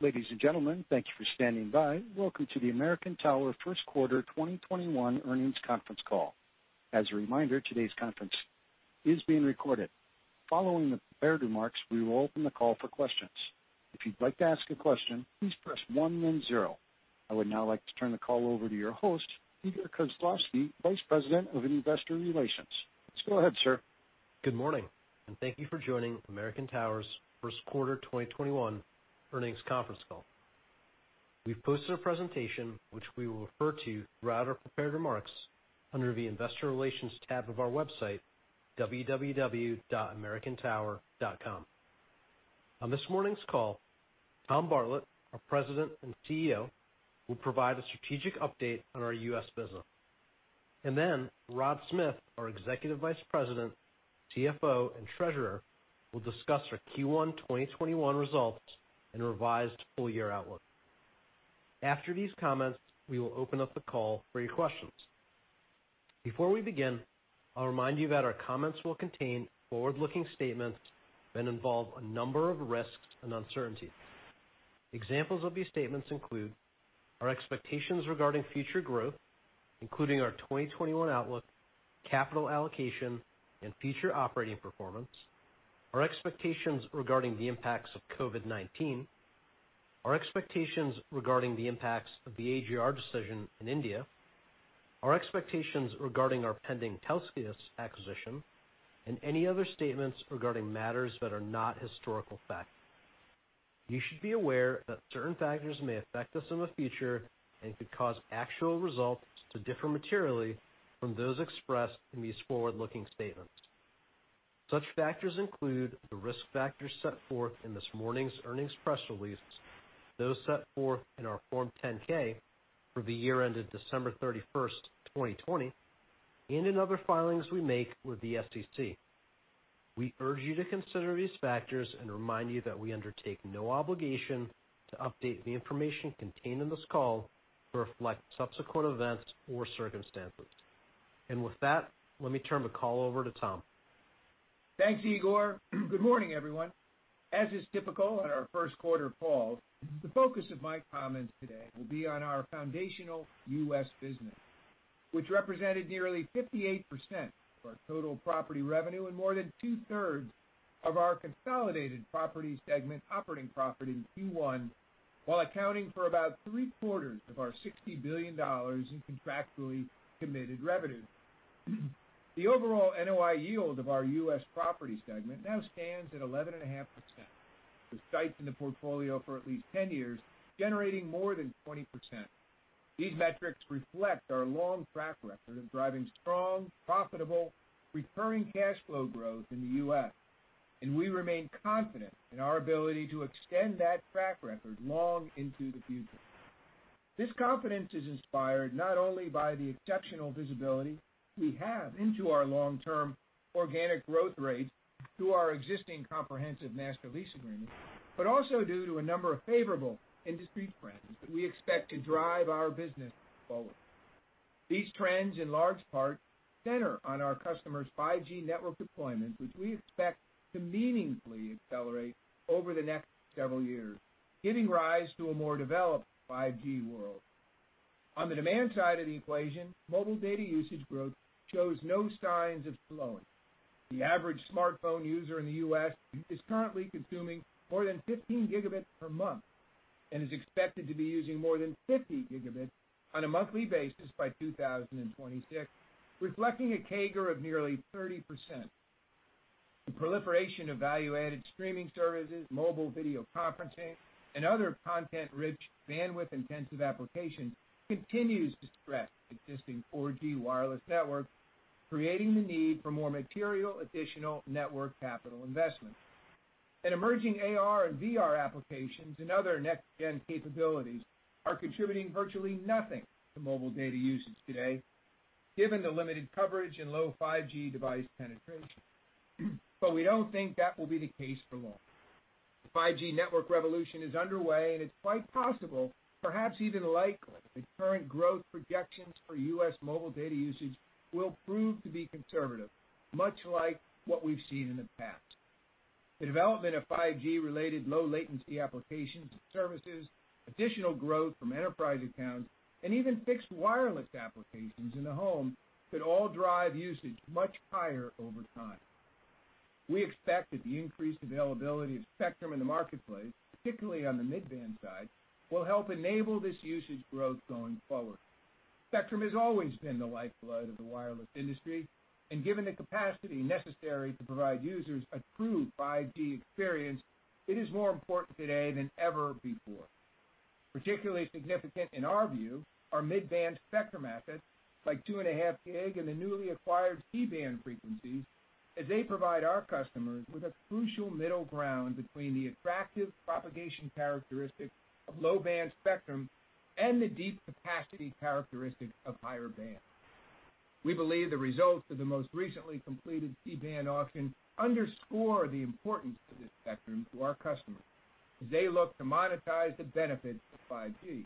Ladies and gentlemen, thank you for standing by. Welcome to the American Tower first quarter 2021 earnings conference call. As a reminder, today's conference is being recorded. Following the prepared remarks, we will open the call for questions. If you'd like to ask a question, please press one, then zero. I would now like to turn the call over to your host, Igor Khislavsky, Vice President of Investor Relations. Let's go ahead, sir. Good morning, and thank you for joining American Tower's first quarter 2021 earnings conference call. We've posted a presentation which we will refer to throughout our prepared remarks under the Investor Relations tab of our website, www.americantower.com. On this morning's call, Tom Bartlett, our President and CEO, will provide a strategic update on our U.S. business. Rod Smith, our Executive Vice President, CFO, and Treasurer, will discuss our Q1 2021 results and revised full-year outlook. After these comments, we will open up the call for your questions. Before we begin, I'll remind that our comments will contain forward-looking statements that involve a number of risks and uncertainties. Examples of these statements include our expectations regarding future growth, including our 2021 outlook, capital allocation, and future operating performance, our expectations regarding the impacts of COVID-19, our expectations regarding the impacts of the AGR decision in India, our expectations regarding our pending Telxius acquisition, and any other statements regarding matters that are not historical fact. You should be aware that certain factors may affect us in the future and could cause actual results to differ materially from those expressed in these forward-looking statements. Such factors include the risk factors set forth in this morning's earnings press release, those set forth in our Form 10-K for the year ended December 31st, 2020, and in other filings we make with the SEC. We urge you to consider these factors and remind you that we undertake no obligation to update the information contained in this call to reflect subsequent events or circumstances. With that, let me turn the call over to Tom. Thanks, Igor. Good morning, everyone. As is typical on our first quarter call, the focus of my comments today will be on our foundational U.S. business, which represented nearly 58% of our total property revenue and more than two-thirds of our consolidated property segment operating profit in Q1, while accounting for about three-quarters of our $60 billion in contractually committed revenue. The overall NOI yield of our U.S. property segment now stands at 11.5%, with sites in the portfolio for at least 10 years generating more than 20%. These metrics reflect our long track record of driving strong, profitable, recurring cash flow growth in the U.S., we remain confident in our ability to extend that track record long into the future. This confidence is inspired not only by the exceptional visibility we have into our long-term organic growth rates through our existing comprehensive master lease agreements, but also due to a number of favorable industry trends that we expect to drive our business forward. These trends, in large part, center on our customers' 5G network deployments, which we expect to meaningfully accelerate over the next several years, giving rise to a more developed 5G world. On the demand side of the equation, mobile data usage growth shows no signs of slowing. The average smartphone user in the U.S. is currently consuming more than 15 Gb per month and is expected to be using more than 50 Gb on a monthly basis by 2026, reflecting a CAGR of nearly 30%. The proliferation of value-added streaming services, mobile video conferencing, and other content-rich, bandwidth-intensive applications continues to stress existing 4G wireless networks, creating the need for more material additional network capital investment. Emerging AR and VR applications and other next-gen capabilities are contributing virtually nothing to mobile data usage today, given the limited coverage and low 5G device penetration. We don't think that will be the case for long. The 5G network revolution is underway, and it's quite possible, perhaps even likely, that current growth projections for U.S. mobile data usage will prove to be conservative, much like what we've seen in the past. The development of 5G-related low latency applications and services, additional growth from enterprise accounts, and even fixed wireless applications in the home could all drive usage much higher over time. We expect that the increased availability of spectrum in the marketplace, particularly on the mid-band side, will help enable this usage growth going forward. Spectrum has always been the lifeblood of the wireless industry, and given the capacity necessary to provide users a true 5G experience, it is more important today than ever before. Particularly significant in our view are mid-band spectrum assets like 2.5 GHz and the newly acquired C-band frequencies, as they provide our customers with a crucial middle ground between the attractive propagation characteristics of low-band spectrum and the deep capacity characteristics of higher bands. We believe the results of the most recently completed C-band auction underscore the importance of this spectrum to our customers as they look to monetize the benefits of 5G.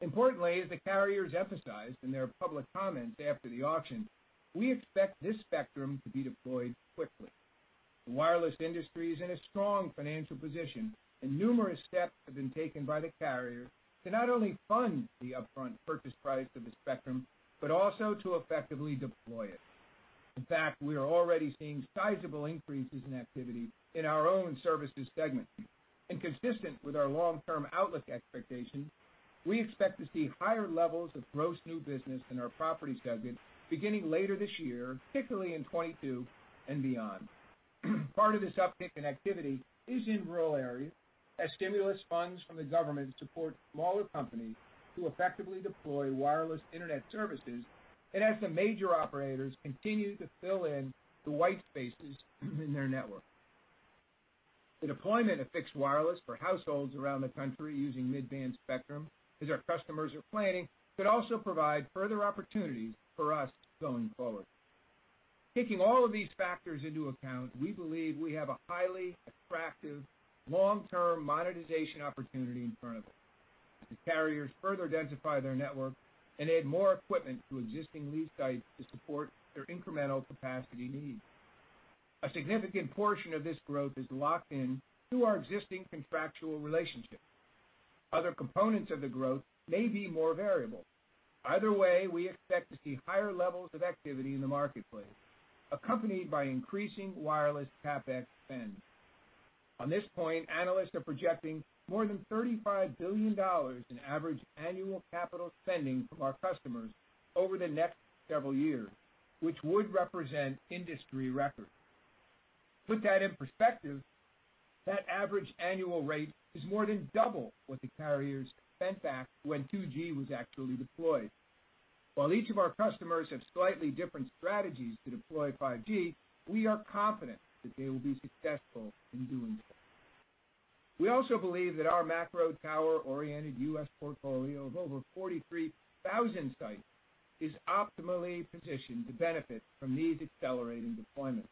Importantly, as the carriers emphasized in their public comments after the auction, we expect this spectrum to be deployed quickly. The wireless industry is in a strong financial position, numerous steps have been taken by the carrier to not only fund the upfront purchase price of the spectrum, but also to effectively deploy it. In fact, we are already seeing sizable increases in activity in our own services segment. Consistent with our long-term outlook expectations, we expect to see higher levels of gross new business in our property segment beginning later this year, particularly in 2022 and beyond. Part of this uptick in activity is in rural areas, as stimulus funds from the government support smaller companies to effectively deploy wireless internet services, as the major operators continue to fill in the white spaces in their network. The deployment of fixed wireless for households around the country using mid-band spectrum, as our customers are planning, could also provide further opportunities for us going forward. Taking all of these factors into account, we believe we have a highly attractive long-term monetization opportunity in front of us as the carriers further densify their network and add more equipment to existing lease sites to support their incremental capacity needs. A significant portion of this growth is locked in through our existing contractual relationships. Other components of the growth may be more variable. Either way, we expect to see higher levels of activity in the marketplace, accompanied by increasing wireless CapEx spend. On this point, analysts are projecting more than $35 billion in average annual capital spending from our customers over the next several years, which would represent industry records. To put that in perspective, that average annual rate is more than double what the carriers spent back when 2G was actually deployed. While each of our customers have slightly different strategies to deploy 5G, we are confident that they will be successful in doing so. We also believe that our macro tower-oriented U.S. portfolio of over 43,000 sites is optimally positioned to benefit from these accelerating deployments.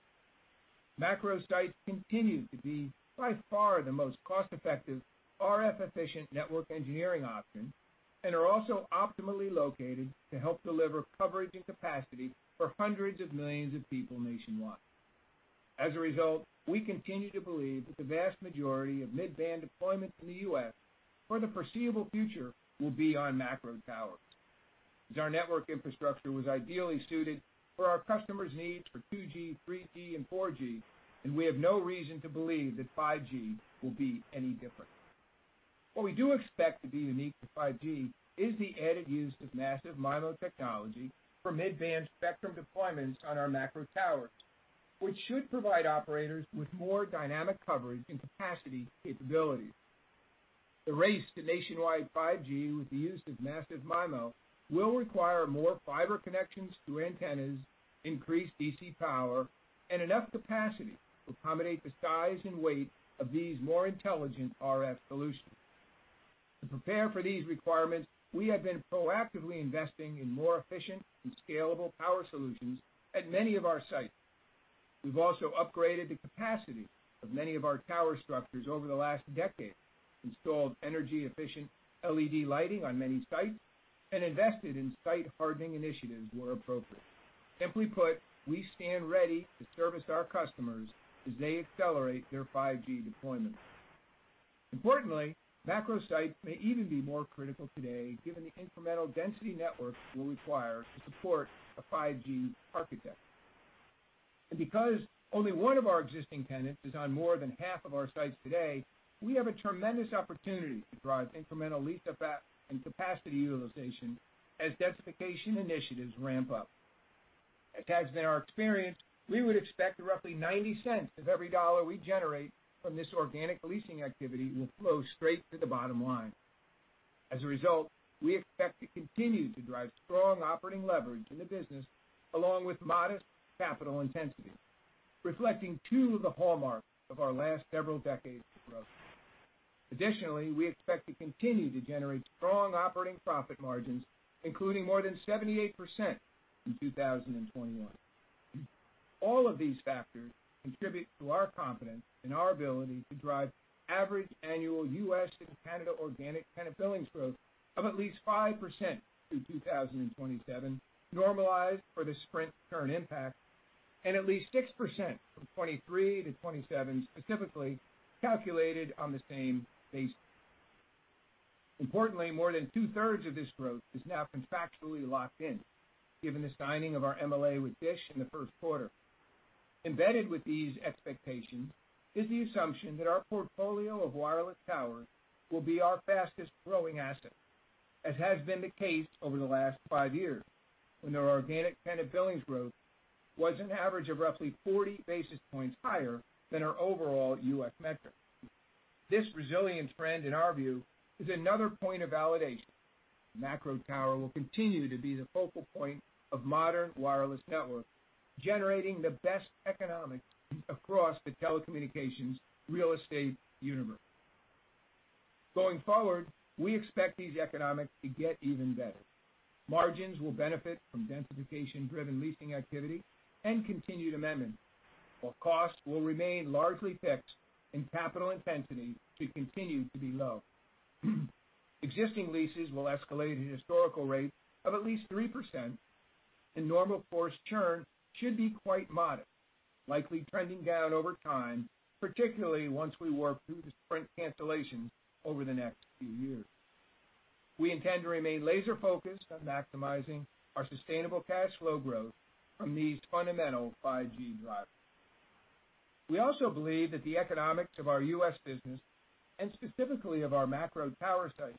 Macro sites continue to be by far the most cost-effective, RF-efficient network engineering option and are also optimally located to help deliver coverage and capacity for hundreds of millions of people nationwide. As a result, we continue to believe that the vast majority of mid-band deployments in the U.S. for the foreseeable future will be on macro towers, as our network infrastructure was ideally suited for our customers' needs for 2G, 3G, and 4G, and we have no reason to believe that 5G will be any different. What we do expect to be unique to 5G is the added use of massive MIMO technology for mid-band spectrum deployments on our macro towers, which should provide operators with more dynamic coverage and capacity capabilities. The race to nationwide 5G with the use of massive MIMO will require more fiber connections through antennas, increased DC power, and enough capacity to accommodate the size and weight of these more intelligent RF solutions. To prepare for these requirements, we have been proactively investing in more efficient and scalable power solutions at many of our sites. We've also upgraded the capacity of many of our tower structures over the last decade, installed energy-efficient LED lighting on many sites, and invested in site hardening initiatives where appropriate. Simply put, we stand ready to service our customers as they accelerate their 5G deployments. Importantly, macro sites may even be more critical today given the incremental density networks will require to support a 5G architecture. Because only one of our existing tenants is on more than half of our sites today, we have a tremendous opportunity to drive incremental lease and capacity utilization as densification initiatives ramp up. As has been our experience, we would expect roughly $0.90 of every dollar we generate from this organic leasing activity will flow straight to the bottom line. As a result, we expect to continue to drive strong operating leverage in the business, along with modest capital intensity, reflecting two of the hallmarks of our last several decades of growth. Additionally, we expect to continue to generate strong operating profit margins, including more than 78% in 2021. All of these factors contribute to our confidence in our ability to drive average annual U.S. and Canada organic tenant billings growth of at least 5% through 2027, normalized for the Sprint churn impact, and at least 6% from 2023 to 2027, specifically calculated on the same base. Importantly, more than 2/3 of this growth is now contractually locked in given the signing of our MLA with Dish in the first quarter. Embedded with these expectations is the assumption that our portfolio of wireless towers will be our fastest-growing asset, as has been the case over the last five years, when our organic tenant billings growth was an average of roughly 40 basis points higher than our overall U.S. metric. This resilient trend, in our view, is another point of validation. Macro tower will continue to be the focal point of modern wireless networks, generating the best economics across the telecommunications real estate universe. Going forward, we expect these economics to get even better. Margins will benefit from densification-driven leasing activity and continued amendments, while costs will remain largely fixed and capital intensity should continue to be low. Existing leases will escalate at a historical rate of at least 3%, and normal course churn should be quite modest, likely trending down over time, particularly once we work through the Sprint cancellations over the next few years. We intend to remain laser-focused on maximizing our sustainable cash flow growth from these fundamental 5G drivers. We also believe that the economics of our U.S. business, and specifically of our macro tower sites,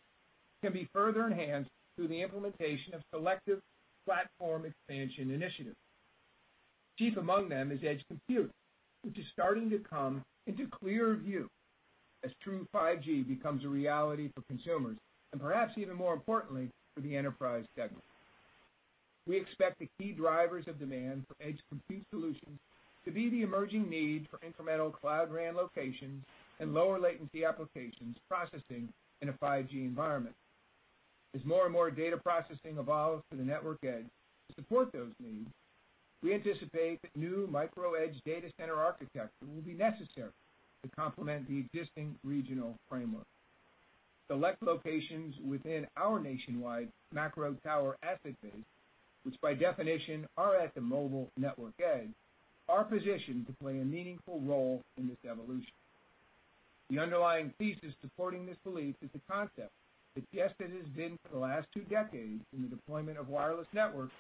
can be further enhanced through the implementation of selective platform expansion initiatives. Chief among them is edge compute, which is starting to come into clearer view as true 5G becomes a reality for consumers, perhaps even more importantly, for the enterprise segment. We expect the key drivers of demand for edge compute solutions to be the emerging need for incremental Cloud RAN locations and lower latency applications processing in a 5G environment. As more and more data processing evolves to the network edge to support those needs, we anticipate that new micro edge data center architecture will be necessary to complement the existing regional framework. Select locations within our nationwide macro tower asset base, which by definition are at the mobile network edge, are positioned to play a meaningful role in this evolution. The underlying thesis supporting this belief is the concept that, just as it has been for the last two decades in the deployment of wireless networks,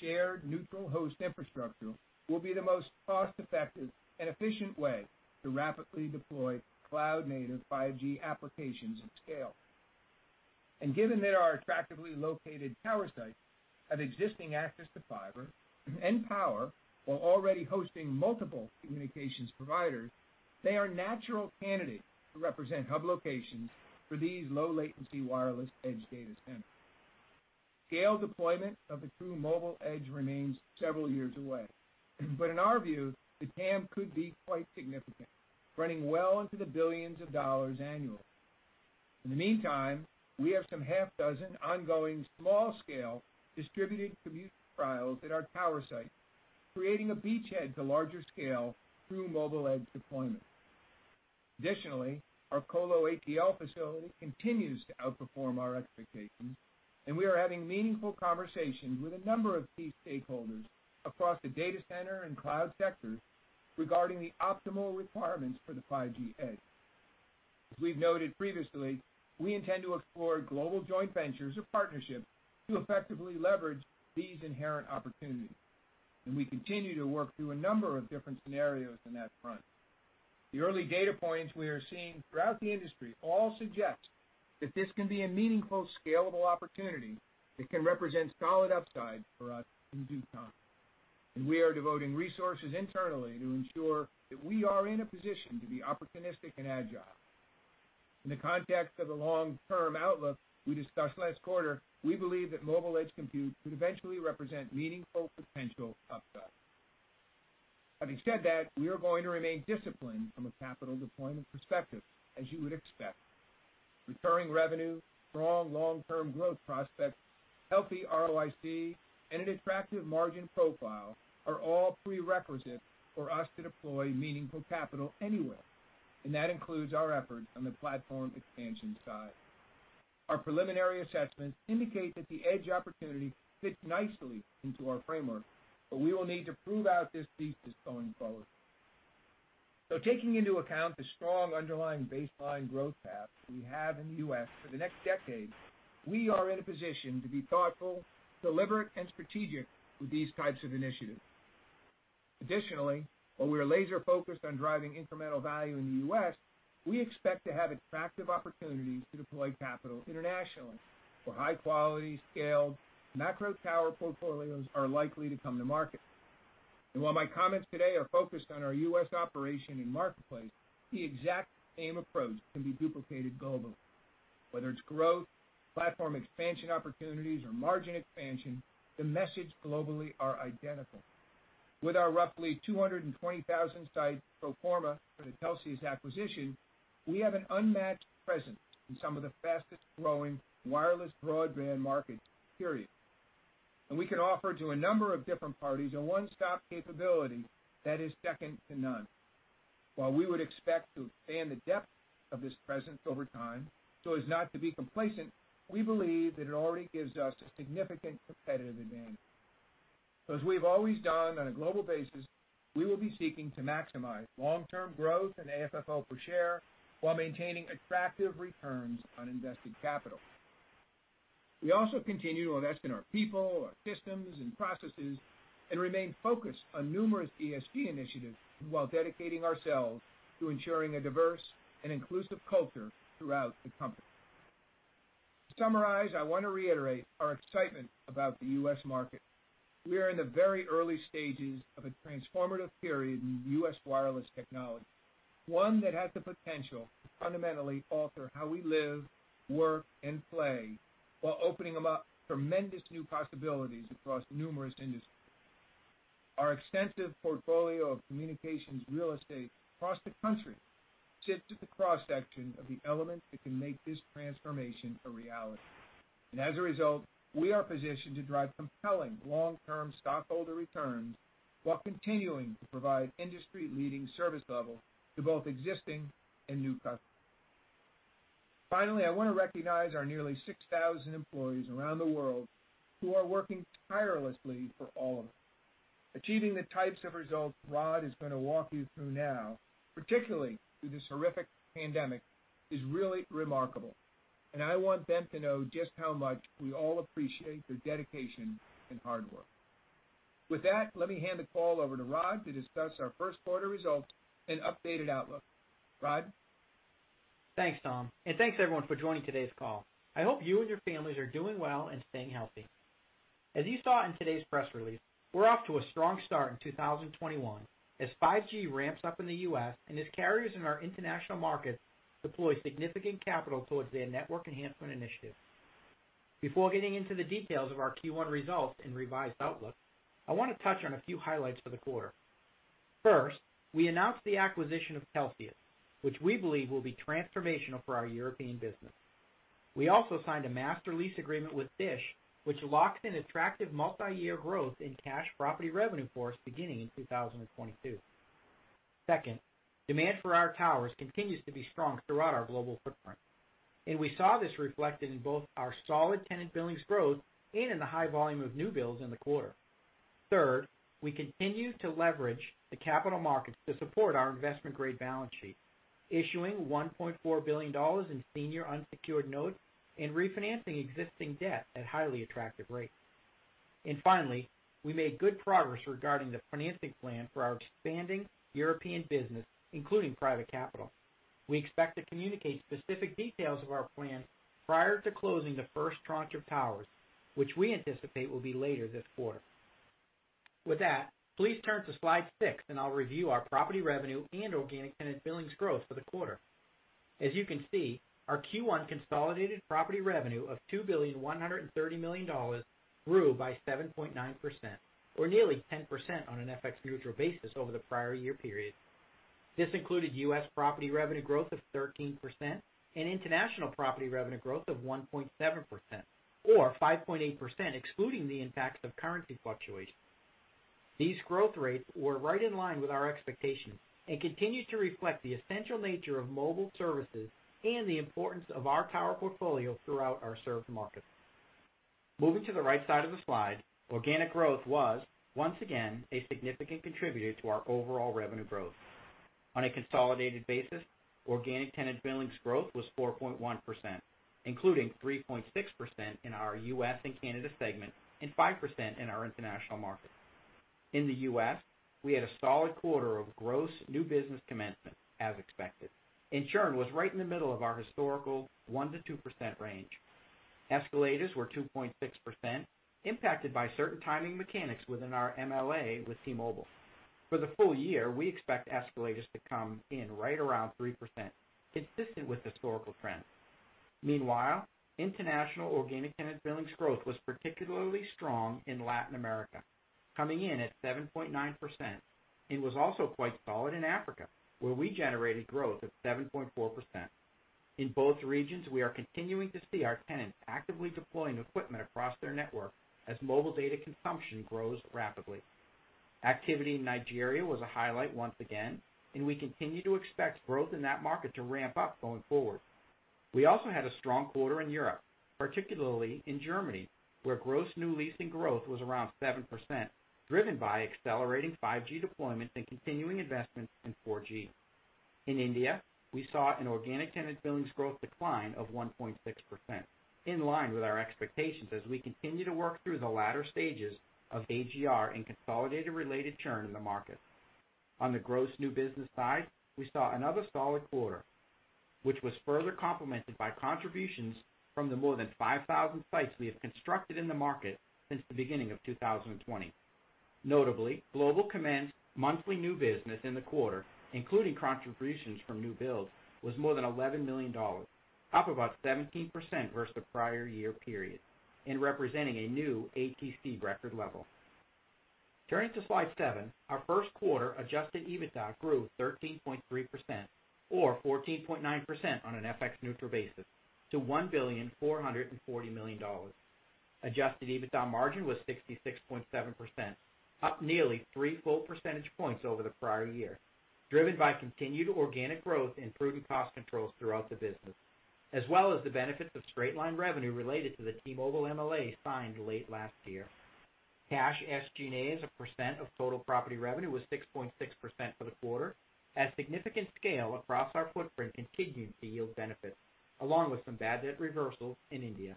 shared neutral host infrastructure will be the most cost-effective and efficient way to rapidly deploy cloud-native 5G applications at scale. Given that our attractively located tower sites have existing access to fiber and power while already hosting multiple communications providers, they are natural candidates to represent hub locations for these low latency wireless edge data centers. Scale deployment of the true mobile edge remains several years away, but in our view, the TAM could be quite significant, running well into the billions of dollars annually. In the meantime, we have some half dozen ongoing small-scale distributed compute trials at our tower sites, creating a beachhead to larger scale through mobile edge deployment. Additionally, our Colo Atl facility continues to outperform our expectations, and we are having meaningful conversations with a number of key stakeholders across the data center and cloud sectors regarding the optimal requirements for the 5G edge. As we've noted previously, we intend to explore global joint ventures or partnerships to effectively leverage these inherent opportunities, and we continue to work through a number of different scenarios on that front. The early data points we are seeing throughout the industry all suggest that this can be a meaningful, scalable opportunity that can represent solid upside for us in due time, and we are devoting resources internally to ensure that we are in a position to be opportunistic and agile. In the context of the long-term outlook we discussed last quarter, we believe that mobile edge compute could eventually represent meaningful potential upside. Having said that, we are going to remain disciplined from a capital deployment perspective, as you would expect. Recurring revenue, strong long-term growth prospects, healthy ROIC, and an attractive margin profile are all prerequisites for us to deploy meaningful capital anywhere, and that includes our efforts on the platform expansion side. Our preliminary assessments indicate that the edge opportunity fits nicely into our framework, but we will need to prove out this thesis going forward. Taking into account the strong underlying baseline growth path we have in the U.S. for the next decade, we are in a position to be thoughtful, deliberate, and strategic with these types of initiatives. Additionally, while we are laser-focused on driving incremental value in the U.S., we expect to have attractive opportunities to deploy capital internationally, where high-quality, scaled macro tower portfolios are likely to come to market. While my comments today are focused on our U.S. operation and marketplace, the exact same approach can be duplicated globally. Whether it's growth, platform expansion opportunities, or margin expansion, the message globally are identical. With our roughly 220,000 sites pro forma for the Telxius acquisition, we have an unmatched presence in some of the fastest-growing wireless broadband markets, period. We can offer to a number of different parties a one-stop capability that is second to none. While we would expect to expand the depth of this presence over time so as not to be complacent, we believe that it already gives us a significant competitive advantage. As we've always done on a global basis, we will be seeking to maximize long-term growth and AFFO per share while maintaining attractive returns on invested capital. We also continue to invest in our people, our systems, and processes, and remain focused on numerous ESG initiatives while dedicating ourselves to ensuring a diverse and inclusive culture throughout the company. To summarize, I want to reiterate our excitement about the U.S. market. We are in the very early stages of a transformative period in U.S. wireless technology, one that has the potential to fundamentally alter how we live, work, and play while opening up tremendous new possibilities across numerous industries. Our extensive portfolio of communications real estate across the country sits at the cross-section of the elements that can make this transformation a reality. As a result, we are positioned to drive compelling long-term stockholder returns while continuing to provide industry-leading service level to both existing and new customers. Finally, I want to recognize our nearly 6,000 employees around the world who are working tirelessly for all of us. Achieving the types of results Rod is going to walk you through now, particularly through this horrific pandemic, is really remarkable. I want them to know just how much we all appreciate their dedication and hard work. With that, let me hand the call over to Rod to discuss our first quarter results and updated outlook. Rod? Thanks, Tom, and thanks everyone for joining today's call. I hope you and your families are doing well and staying healthy. As you saw in today's press release, we're off to a strong start in 2021 as 5G ramps up in the U.S. and as carriers in our international markets deploy significant capital towards their network enhancement initiatives. Before getting into the details of our Q1 results and revised outlook, I want to touch on a few highlights for the quarter. First, we announced the acquisition of Telxius, which we believe will be transformational for our European business. We also signed a master lease agreement with DISH, which locks in attractive multi-year growth in cash property revenue for us beginning in 2022. Demand for our towers continues to be strong throughout our global footprint, and we saw this reflected in both our solid tenant billings growth and in the high volume of new builds in the quarter. We continue to leverage the capital markets to support our investment-grade balance sheet, issuing $1.4 billion in senior unsecured notes and refinancing existing debt at highly attractive rates. Finally, we made good progress regarding the financing plan for our expanding European business, including private capital. We expect to communicate specific details of our plan prior to closing the first tranche of towers, which we anticipate will be later this quarter. Please turn to slide six, and I'll review our property revenue and Organic Tenant Billings Growth for the quarter. As you can see, our Q1 consolidated property revenue of $2.13 billion grew by 7.9%, or nearly 10% on an FX neutral basis over the prior year period. This included U.S. property revenue growth of 13% and international property revenue growth of 1.7%, or 5.8%, excluding the impacts of currency fluctuation. These growth rates were right in line with our expectations and continue to reflect the essential nature of mobile services and the importance of our tower portfolio throughout our served markets. Moving to the right side of the slide, organic growth was, once again, a significant contributor to our overall revenue growth. On a consolidated basis, Organic Tenant Billings Growth was 4.1%, including 3.6% in our U.S. and Canada segment and 5% in our international markets. In the U.S., we had a solid quarter of gross new business commencement, as expected. Churn was right in the middle of our historical 1%-2% range. Escalators were 2.6%, impacted by certain timing mechanics within our MLA with T-Mobile. For the full year, we expect escalators to come in right around 3%, consistent with historical trends. International Organic Tenant Billings Growth was particularly strong in Latin America, coming in at 7.9%, and was also quite solid in Africa, where we generated growth of 7.4%. In both regions, we are continuing to see our tenants actively deploying equipment across their network as mobile data consumption grows rapidly. Activity in Nigeria was a highlight once again, and we continue to expect growth in that market to ramp up going forward. We also had a strong quarter in Europe, particularly in Germany, where gross new leasing growth was around 7%, driven by accelerating 5G deployment and continuing investments in 4G. In India, we saw an Organic Tenant Billings Growth decline of 1.6%, in line with our expectations as we continue to work through the latter stages of AGR and consolidation-related churn in the market. On the gross new business side, we saw another solid quarter, which was further complemented by contributions from the more than 5,000 sites we have constructed in the market since the beginning of 2020. Notably, global commenced monthly new business in the quarter, including contributions from new builds, was more than $11 million, up about 17% versus the prior year period and representing a new ATC record level. Turning to slide seven, our first quarter adjusted EBITDA grew 13.3%, or 14.9% on an FX neutral basis, to $1,440,000,000. Adjusted EBITDA margin was 66.7%, up nearly three full percentage points over the prior year, driven by continued organic growth and prudent cost controls throughout the business, as well as the benefits of straight-line revenue related to the T-Mobile MLA signed late last year. Cash SG&A as a percent of total property revenue was 6.6% for the quarter, as significant scale across our footprint continued to yield benefits, along with some bad debt reversals in India.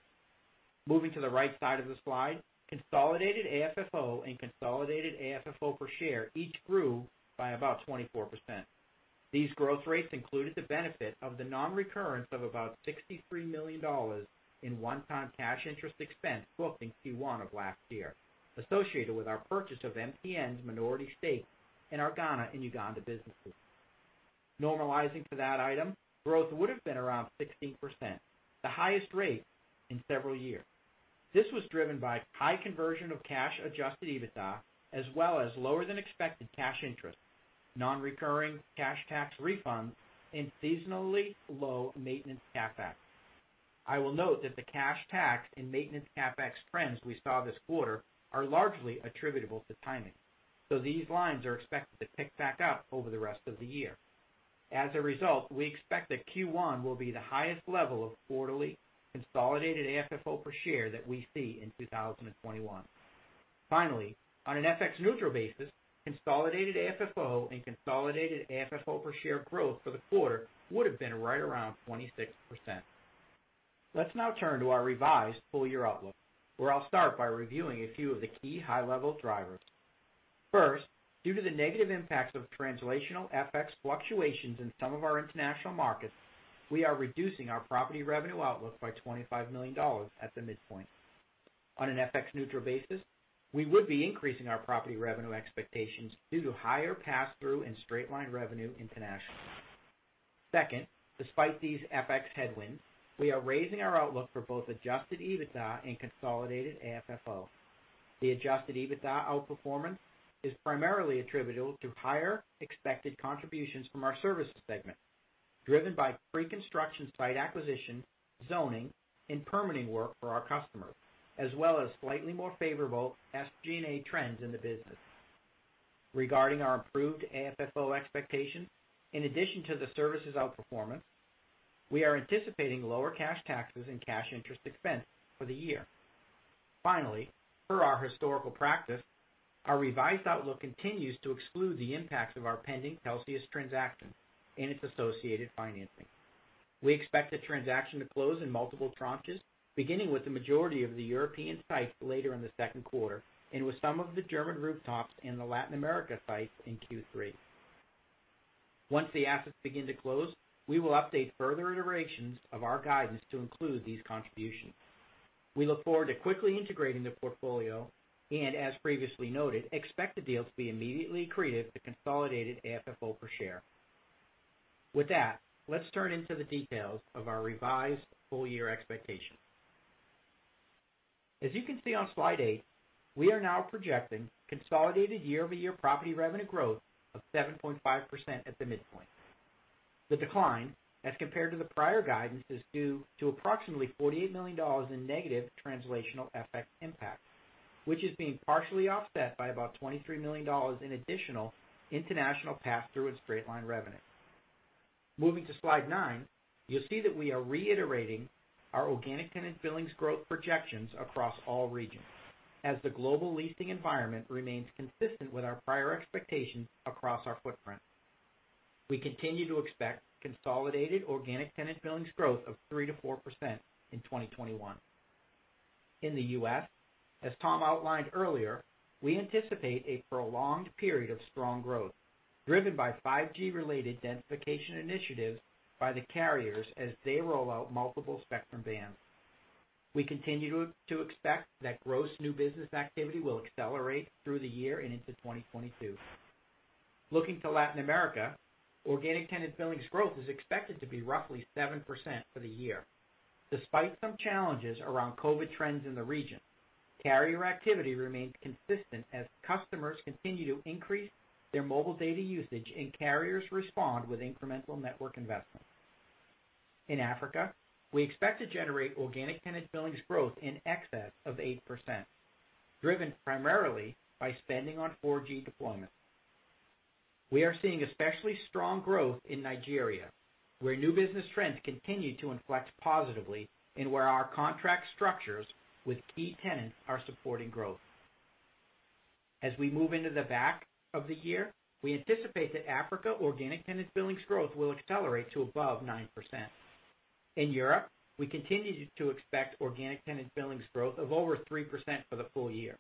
Moving to the right side of the slide, consolidated AFFO and consolidated AFFO per share each grew by about 24%. These growth rates included the benefit of the non-recurrence of about $63 million in one-time cash interest expense booked in Q1 of last year, associated with our purchase of MTN's minority stake in our Ghana and Uganda businesses. Normalizing for that item, growth would have been around 16%, the highest rate in several years. This was driven by high conversion of cash adjusted EBITDA, as well as lower than expected cash interest, non-recurring cash tax refunds, and seasonally low maintenance CapEx. I will note that the cash tax and maintenance CapEx trends we saw this quarter are largely attributable to timing, these lines are expected to tick back up over the rest of the year. As a result, we expect that Q1 will be the highest level of quarterly consolidated AFFO per share that we see in 2021. Finally, on an FX neutral basis, consolidated AFFO and consolidated AFFO per share growth for the quarter would've been right around 26%. Let's now turn to our revised full year outlook, where I'll start by reviewing a few of the key high level drivers. Due to the negative impacts of translational FX fluctuations in some of our international markets, we are reducing our property revenue outlook by $25 million at the midpoint. On an FX neutral basis, we would be increasing our property revenue expectations due to higher pass-through and straight-line revenue internationally. Despite these FX headwinds, we are raising our outlook for both adjusted EBITDA and consolidated AFFO. The adjusted EBITDA outperformance is primarily attributable to higher expected contributions from our services segment, driven by pre-construction site acquisition, zoning, and permitting work for our customers, as well as slightly more favorable SG&A trends in the business. Regarding our improved AFFO expectations, in addition to the services outperformance, we are anticipating lower cash taxes and cash interest expense for the year. Finally, per our historical practice, our revised outlook continues to exclude the impacts of our pending Telxius transaction and its associated financing. We expect the transaction to close in multiple tranches, beginning with the majority of the European sites later in the second quarter, and with some of the German rooftops and the Latin America sites in Q3. Once the assets begin to close, we will update further iterations of our guidance to include these contributions. We look forward to quickly integrating the portfolio, and as previously noted, expect the deal to be immediately accretive to consolidated AFFO per share. With that, let's turn into the details of our revised full year expectations. As you can see on slide eight, we are now projecting consolidated year-over-year property revenue growth of 7.5% at the midpoint. The decline as compared to the prior guidance is due to approximately $48 million in negative translational FX impact, which is being partially offset by about $23 million in additional international pass-through and straight line revenue. Moving to slide nine, you'll see that we are reiterating our Organic Tenant Billings Growth projections across all regions, as the global leasing environment remains consistent with our prior expectations across our footprint. We continue to expect consolidated Organic Tenant Billings Growth of 3%-4% in 2021. In the U.S., as Tom outlined earlier, we anticipate a prolonged period of strong growth driven by 5G related densification initiatives by the carriers as they roll out multiple spectrum bands. We continue to expect that gross new business activity will accelerate through the year and into 2022. Looking to Latin America, Organic Tenant Billings Growth is expected to be roughly 7% for the year. Despite some challenges around COVID trends in the region, carrier activity remains consistent as customers continue to increase their mobile data usage and carriers respond with incremental network investments. In Africa, we expect to generate Organic Tenant Billings Growth in excess of 8%, driven primarily by spending on 4G deployment. We are seeing especially strong growth in Nigeria, where new business trends continue to inflect positively and where our contract structures with key tenants are supporting growth. As we move into the back of the year, we anticipate that Africa Organic Tenant Billings Growth will accelerate to above 9%. In Europe, we continue to expect Organic Tenant Billings Growth of over 3% for the full year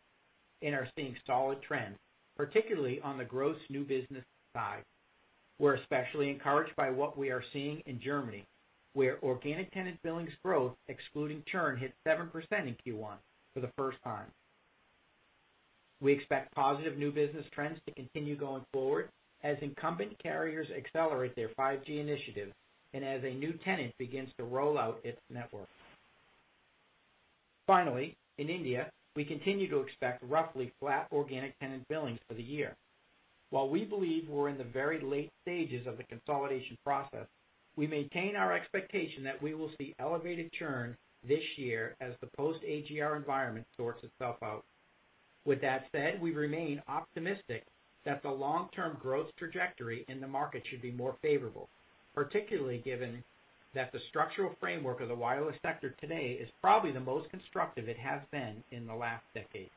and are seeing solid trends, particularly on the gross new business side. We're especially encouraged by what we are seeing in Germany, where organic tenant billings growth excluding churn hit 7% in Q1 for the first time. We expect positive new business trends to continue going forward as incumbent carriers accelerate their 5G initiatives and as a new tenant begins to roll out its network. Finally, in India, we continue to expect roughly flat organic tenant billings for the year. While we believe we're in the very late stages of the consolidation process, we maintain our expectation that we will see elevated churn this year as the post-AGR environment sorts itself out. With that said, we remain optimistic that the long-term growth trajectory in the market should be more favorable, particularly given that the structural framework of the wireless sector today is probably the most constructive it has been in the last decade.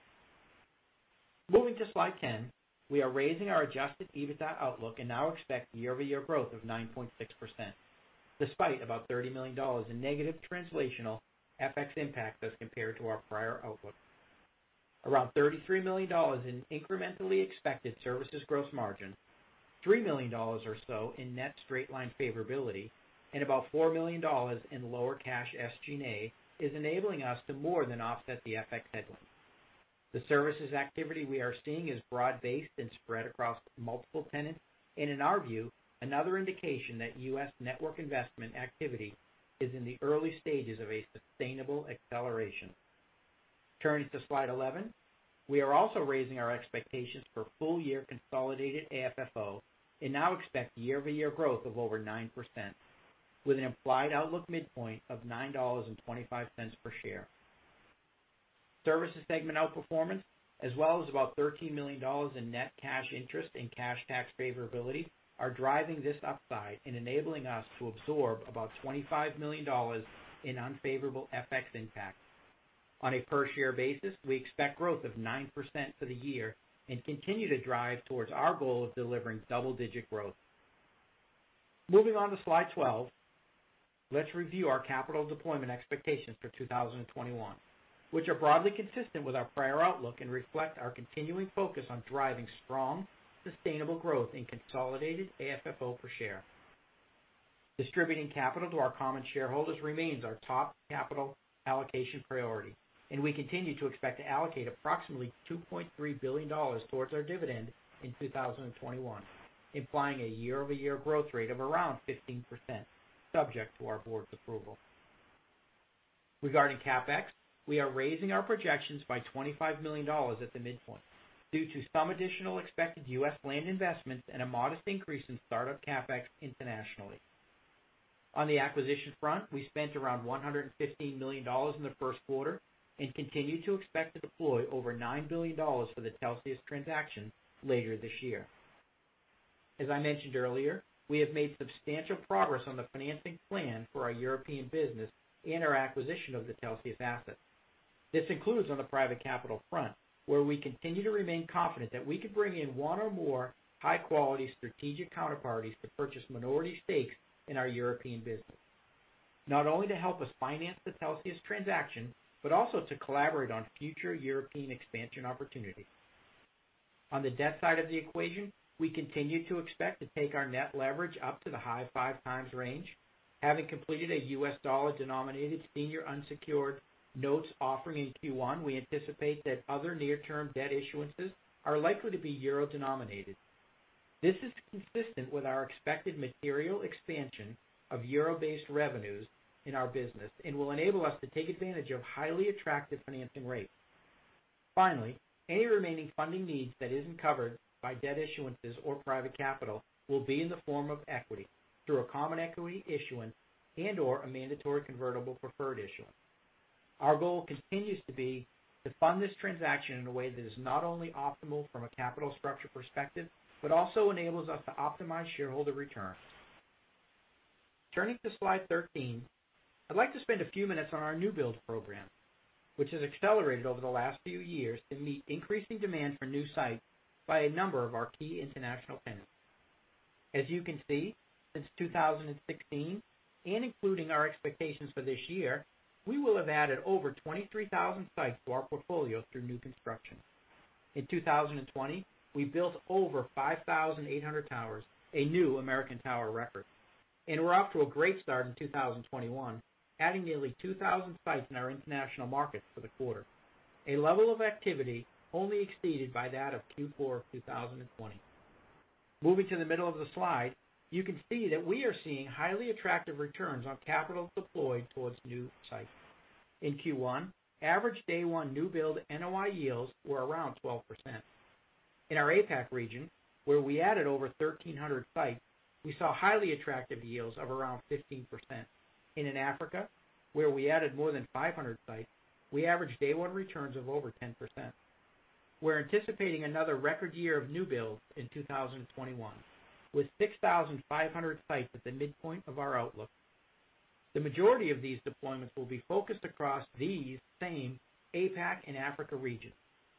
Moving to slide 10, we are raising our adjusted EBITDA outlook and now expect year-over-year growth of 9.6%, despite about $30 million in negative translational FX impact as compared to our prior outlook. Around $33 million in incrementally expected services gross margin, $3 million or so in net straight-line favorability, and about $4 million in lower cash SG&A is enabling us to more than offset the FX headwind. The services activity we are seeing is broad-based and spread across multiple tenants, and in our view, another indication that U.S. network investment activity is in the early stages of a sustainable acceleration. Turning to slide 11. We are also raising our expectations for full year consolidated AFFO, and now expect year-over-year growth of over 9%, with an implied outlook midpoint of $9.25 per share. Services segment outperformance, as well as about $13 million in net cash interest and cash tax favorability are driving this upside and enabling us to absorb about $25 million in unfavorable FX impact. On a per-share basis, we expect growth of 9% for the year and continue to drive towards our goal of delivering double-digit growth. Moving on to slide 12, let's review our capital deployment expectations for 2021, which are broadly consistent with our prior outlook and reflect our continuing focus on driving strong, sustainable growth in consolidated AFFO per share. Distributing capital to our common shareholders remains our top capital allocation priority, and we continue to expect to allocate approximately $2.3 billion towards our dividend in 2021, implying a year-over-year growth rate of around 15%, subject to our board's approval. Regarding CapEx, we are raising our projections by $25 million at the midpoint due to some additional expected U.S. land investments and a modest increase in startup CapEx internationally. On the acquisition front, we spent around $115 million in the first quarter and continue to expect to deploy over $9 billion for the Telxius transaction later this year. As I mentioned earlier, we have made substantial progress on the financing plan for our European business and our acquisition of the Telxius asset. This includes on the private capital front, where we continue to remain confident that we can bring in one or more high-quality strategic counterparties to purchase minority stakes in our European business. Not only to help us finance the Telxius transaction, but also to collaborate on future European expansion opportunities. On the debt side of the equation, we continue to expect to take our net leverage up to the high five times range. Having completed a U.S. dollar-denominated senior unsecured notes offering in Q1, we anticipate that other near-term debt issuances are likely to be euro-denominated. This is consistent with our expected material expansion of euro-based revenues in our business and will enable us to take advantage of highly attractive financing rates. Finally, any remaining funding needs that isn't covered by debt issuances or private capital will be in the form of equity through a common equity issuance and/or a mandatory convertible preferred issuance. Our goal continues to be to fund this transaction in a way that is not only optimal from a capital structure perspective, but also enables us to optimize shareholder returns. Turning to slide 13. I'd like to spend a few minutes on our new build program, which has accelerated over the last few years to meet increasing demand for new sites by a number of our key international tenants. As you can see, since 2016, and including our expectations for this year, we will have added over 23,000 sites to our portfolio through new construction. In 2020, we built over 5,800 towers, a new American Tower record. We're off to a great start in 2021, adding nearly 2,000 sites in our international markets for the quarter. A level of activity only exceeded by that of Q4 2020. Moving to the middle of the slide, you can see that we are seeing highly attractive returns on capital deployed towards new sites. In Q1, average day one new build NOI yields were around 12%. In our APAC region, where we added over 1,300 sites, we saw highly attractive yields of around 15%. In Africa, where we added more than 500 sites, we averaged day one returns of over 10%. We're anticipating another record year of new builds in 2021, with 6,500 sites at the midpoint of our outlook. The majority of these deployments will be focused across these same APAC and Africa regions,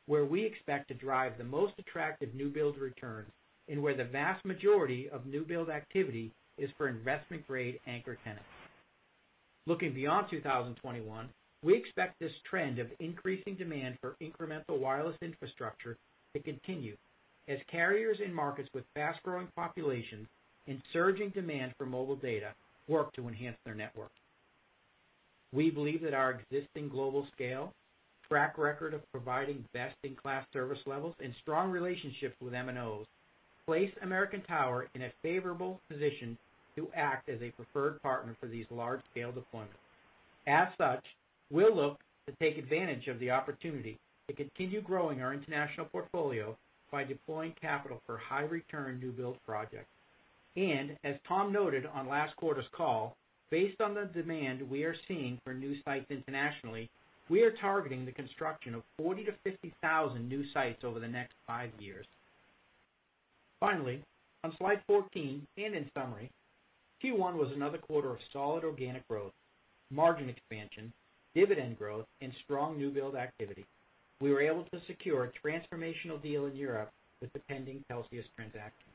where we expect to drive the most attractive new build returns and where the vast majority of new build activity is for investment-grade anchor tenants. Looking beyond 2021, we expect this trend of increasing demand for incremental wireless infrastructure to continue as carriers in markets with fast-growing populations and surging demand for mobile data work to enhance their network. We believe that our existing global scale, track record of providing best-in-class service levels, and strong relationships with MNOs place American Tower in a favorable position to act as a preferred partner for these large-scale deployments. We'll look to take advantage of the opportunity to continue growing our international portfolio by deploying capital for high-return new build projects. As Tom noted on last quarter's call, based on the demand we are seeing for new sites internationally, we are targeting the construction of 40,000 to 50,000 new sites over the next five years. On slide 14, in summary, Q1 was another quarter of solid organic growth, margin expansion, dividend growth, and strong new build activity. We were able to secure a transformational deal in Europe with the pending Telxius transaction,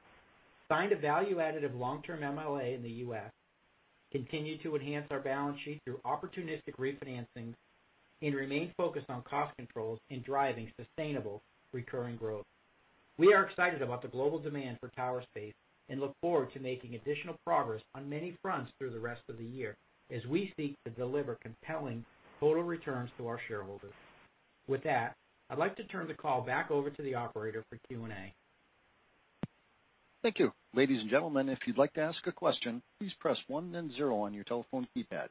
signed a value additive long-term MLA in the U.S., continued to enhance our balance sheet through opportunistic refinancings, and remain focused on cost controls and driving sustainable recurring growth. We are excited about the global demand for tower space and look forward to making additional progress on many fronts through the rest of the year as we seek to deliver compelling total returns to our shareholders. With that, I'd like to turn the call back over to the operator for Q&A. Thank you. Ladies and gentlemen, if you'd like to ask a question, please press one then zero on your telephone keypad.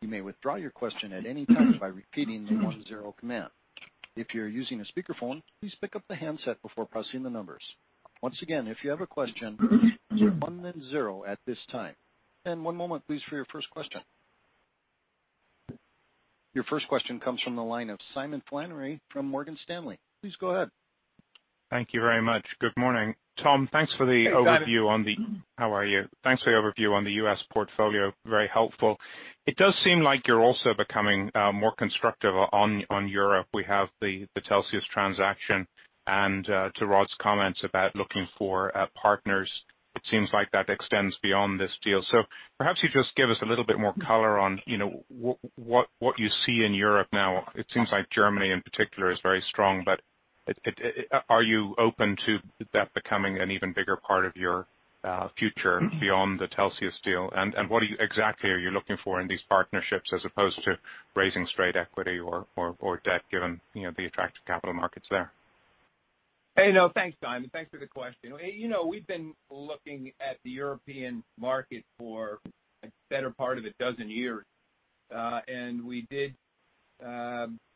You may withdraw your question at any time by repeating the one zero command. If you're using a speakerphone, please pick up the handset before pressing the numbers. Once again, if you have a question, say one then zero at this time. One moment please for your first question. Your first question comes from the line of Simon Flannery from Morgan Stanley. Please go ahead. Thank you very much. Good morning. Tom, thanks. Hey, Simon. How are you? Thanks for the overview on the U.S. portfolio. Very helpful. It does seem like you're also becoming more constructive on Europe. We have the Telxius transaction, and to Rod's comments about looking for partners, it seems like that extends beyond this deal. Perhaps you just give us a little bit more color on what you see in Europe now. It seems like Germany in particular is very strong. Are you open to that becoming an even bigger part of your future beyond the Telxius deal? What exactly are you looking for in these partnerships as opposed to raising straight equity or debt, given the attractive capital markets there? Thanks, Simon. Thanks for the question. We've been looking at the European market for the better part of 12 years. We did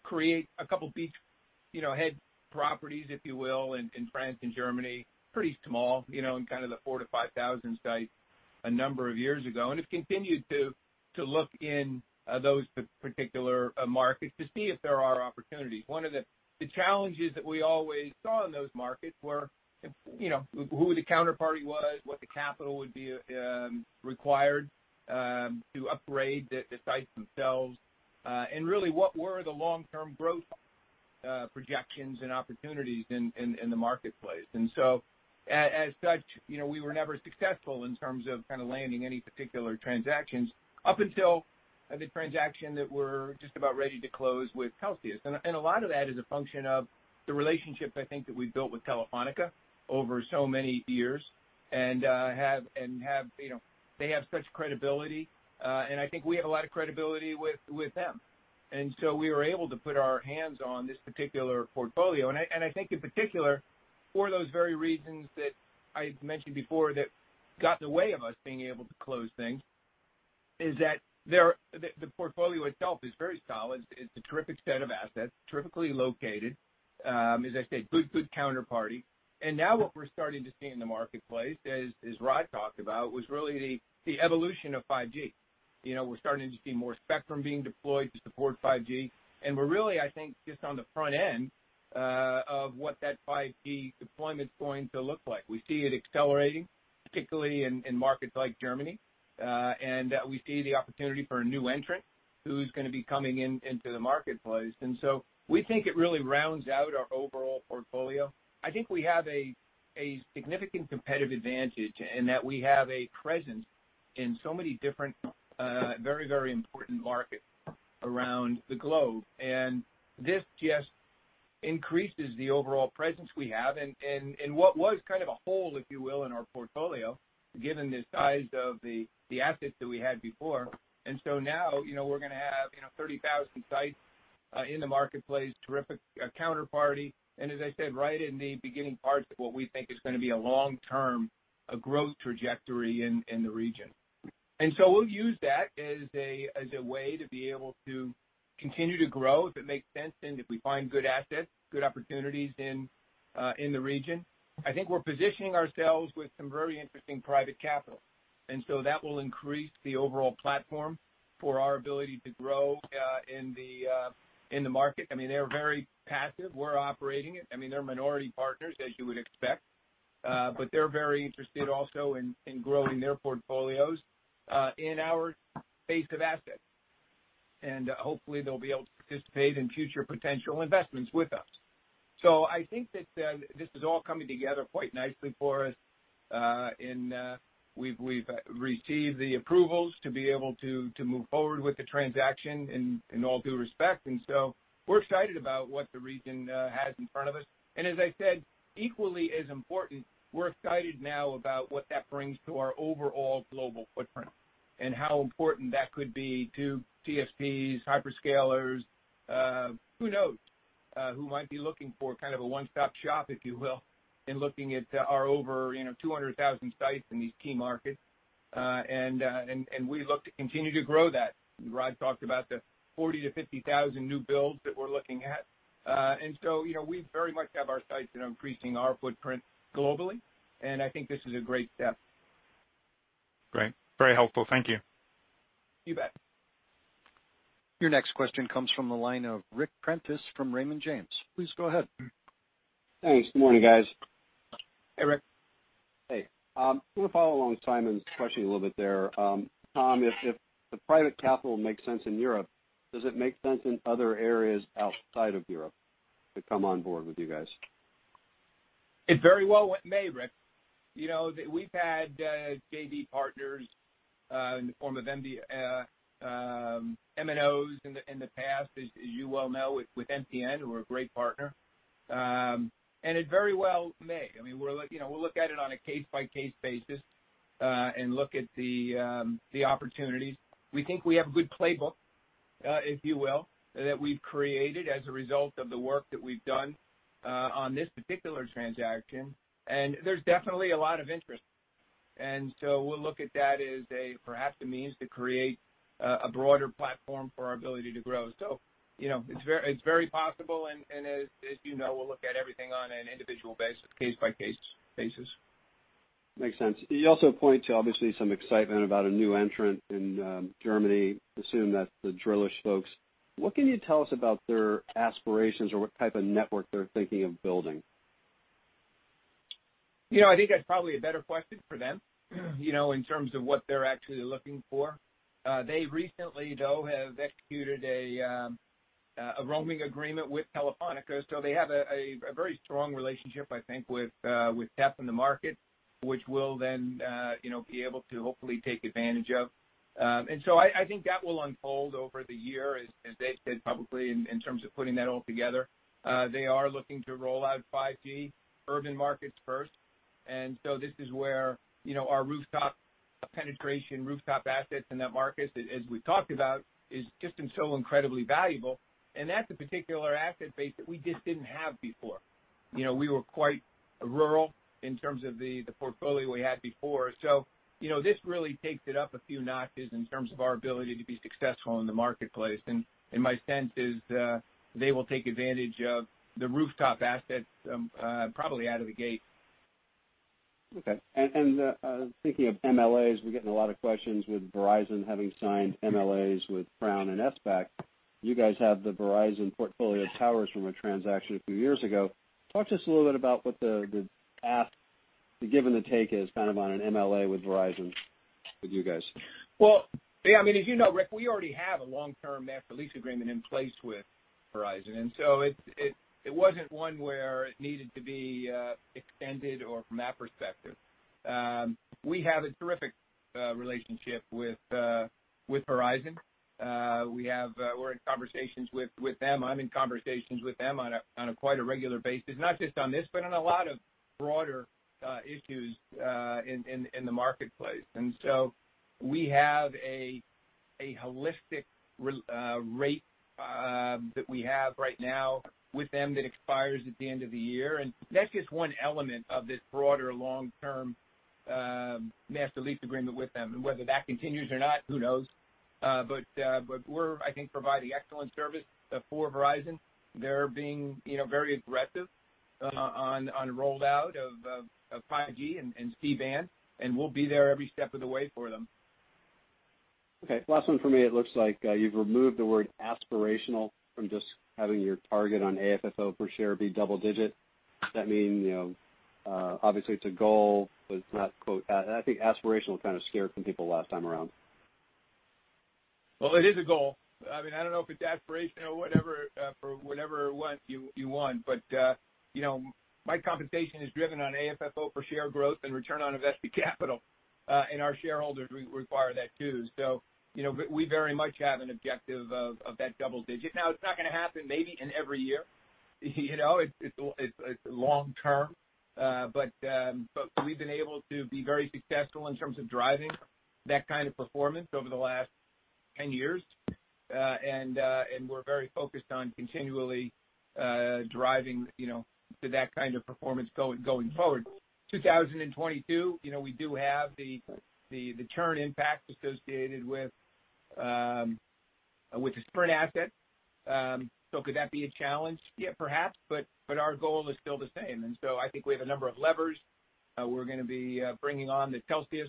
create a couple beachhead properties, if you will, in France and Germany, pretty small, in kind of the 4,000 to 5,000 sites a number of years ago. Have continued to look in those particular markets to see if there are opportunities. One of the challenges that we always saw in those markets were who the counterparty was, what the capital would be required to upgrade the sites themselves, and really, what were the long-term growth projections and opportunities in the marketplace. As such, we were never successful in terms of landing any particular transactions up until the transaction that we're just about ready to close with Telxius. A lot of that is a function of the relationship, I think, that we've built with Telefónica over so many years, and they have such credibility. I think we have a lot of credibility with them. We were able to put our hands on this particular portfolio. I think in particular, for those very reasons that I mentioned before that got in the way of us being able to close things, is that the portfolio itself is very solid. It's a terrific set of assets, terrifically located, as I said, good counterparty. What we're starting to see in the marketplace, as Rod talked about, was really the evolution of 5G. We're starting to see more spectrum being deployed to support 5G, and we're really, I think, just on the front end of what that 5G deployment's going to look like. We see it accelerating, particularly in markets like Germany. We see the opportunity for a new entrant who's going to be coming into the marketplace. We think it really rounds out our overall portfolio. I think we have a significant competitive advantage in that we have a presence in so many different, very important markets around the globe. This just increases the overall presence we have in what was kind of a hole, if you will, in our portfolio, given the size of the assets that we had before. Now, we're going to have 30,000 sites in the marketplace, terrific counterparty, and as I said, right in the beginning parts of what we think is going to be a long-term growth trajectory in the region. We'll use that as a way to be able to continue to grow if it makes sense and if we find good assets, good opportunities in the region. I think we're positioning ourselves with some very interesting private capital. That will increase the overall platform for our ability to grow in the market. They're very passive. We're operating it. They're minority partners as you would expect. They're very interested also in growing their portfolios in our base of assets. Hopefully they'll be able to participate in future potential investments with us. I think that this is all coming together quite nicely for us in we've received the approvals to be able to move forward with the transaction in all due respect. We're excited about what the region has in front of us. As I said, equally as important, we're excited now about what that brings to our overall global footprint and how important that could be to TSPs, hyperscalers, who knows who might be looking for kind of a one-stop shop, if you will, in looking at our over 200,000 sites in these key markets. We look to continue to grow that. Rod talked about the 40,000 to 50,000 new builds that we're looking at. We very much have our sights set on increasing our footprint globally, and I think this is a great step. Great. Very helpful. Thank you. You bet. Your next question comes from the line of Ric Prentiss from Raymond James. Please go ahead. Thanks. Morning, guys. Hey, Ric. Hey. I'm gonna follow along Simon's question a little bit there. Tom, if the private capital makes sense in Europe, does it make sense in other areas outside of Europe to come on board with you guys? It very well may, Ric. We've had JV partners in the form of MNOs in the past, as you well know, with MTN, who are a great partner. It very well may. We'll look at it on a case-by-case basis, and look at the opportunities. We think we have a good playbook, if you will, that we've created as a result of the work that we've done on this particular transaction. There's definitely a lot of interest. We'll look at that as perhaps the means to create a broader platform for our ability to grow. It's very possible, and as you know, we'll look at everything on an individual basis, case-by-case basis. Makes sense. You also point to, obviously, some excitement about a new entrant in Germany. Assume that's the Drillisch folks. What can you tell us about their aspirations or what type of network they're thinking of building? I think that's probably a better question for them, in terms of what they're actually looking for. They recently, though, have executed a roaming agreement with Telefónica, so they have a very strong relationship, I think, with Telefónica in the market, which we'll then be able to hopefully take advantage of. I think that will unfold over the year, as they've said publicly, in terms of putting that all together. They are looking to roll out 5G, urban markets first. This is where our rooftop penetration, rooftop assets in that market, as we've talked about, is just so incredibly valuable. That's a particular asset base that we just didn't have before. We were quite rural in terms of the portfolio we had before. This really takes it up a few notches in terms of our ability to be successful in the marketplace. My sense is, they will take advantage of the rooftop assets, probably out of the gate. Okay. Thinking of MLAs, we're getting a lot of questions with Verizon having signed MLAs with Crown and SBAC. You guys have the Verizon portfolio of towers from a transaction a few years ago. Talk to us a little bit about what the give and the take is on an MLA with Verizon with you guys. Well, as you know, Ric, we already have a long-term master lease agreement in place with Verizon. It wasn't one where it needed to be extended or from that perspective. We have a terrific relationship with Verizon. We're in conversations with them. I'm in conversations with them on quite a regular basis, not just on this, but on a lot of broader issues in the marketplace. We have a holistic rate that we have right now with them that expires at the end of the year, and that's just one element of this broader long-term master lease agreement with them. Whether that continues or not, who knows? We're, I think, providing excellent service for Verizon. They're being very aggressive on rollout of 5G and C-band. We'll be there every step of the way for them. Okay. Last one from me, it looks like you've removed the word aspirational from just having your target on AFFO per share be double digit. Does that mean, obviously, it's a goal, but it's not, I think aspirational kind of scared some people last time around. Well, it is a goal. I don't know if it's aspirational for whatever you want, but my compensation is driven on AFFO per share growth and return on invested capital. Our shareholders require that, too. We very much have an objective of that double digit. Now, it's not going to happen maybe in every year. It's long-term. We've been able to be very successful in terms of driving that kind of performance over the last 10 years. We're very focused on continually driving to that kind of performance going forward. 2022, we do have the churn impact associated with the Sprint asset. Could that be a challenge? Yeah, perhaps, but our goal is still the same. I think we have a number of levers. We're going to be bringing on the Telxius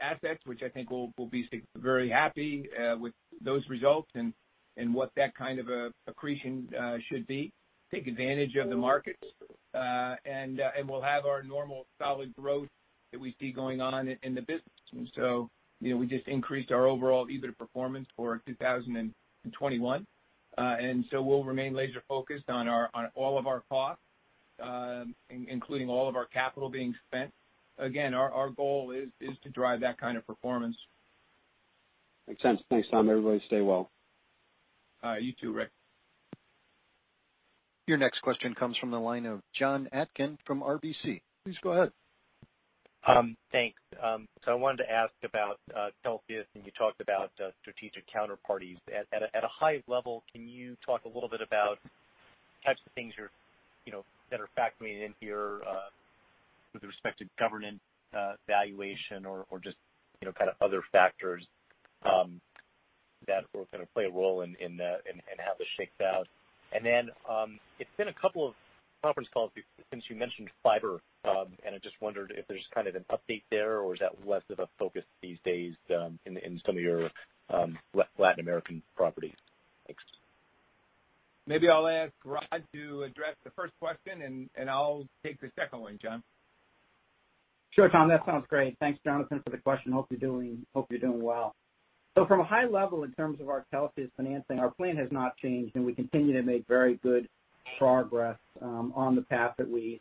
assets, which I think we'll be very happy with those results and what that kind of accretion should be, take advantage of the markets. We'll have our normal solid growth that we see going on in the business. We just increased our overall EBITDA performance for 2021. We'll remain laser focused on all of our costs, including all of our capital being spent. Again, our goal is to drive that kind of performance. Makes sense. Thanks, Tom. Everybody stay well. You too, Ric. Your next question comes from the line of Jon Atkin from RBC. Please go ahead. Thanks. I wanted to ask about Telxius, and you talked about strategic counterparties. At a high level, can you talk a little bit about types of things that are factoring in here with respect to governance valuation or just other factors that will play a role and how this shakes out? It's been a couple of conference calls since you mentioned fiber, and I just wondered if there's kind of an update there, or is that less of a focus these days in some of your Latin American properties? Thanks. Maybe I'll ask Rod to address the first question, and I'll take the second one, Jon. Sure, Tom. That sounds great. Thanks, Jon Atkin, for the question. Hope you're doing well. From a high level, in terms of our Telxius financing, our plan has not changed, and we continue to make very good progress on the path that we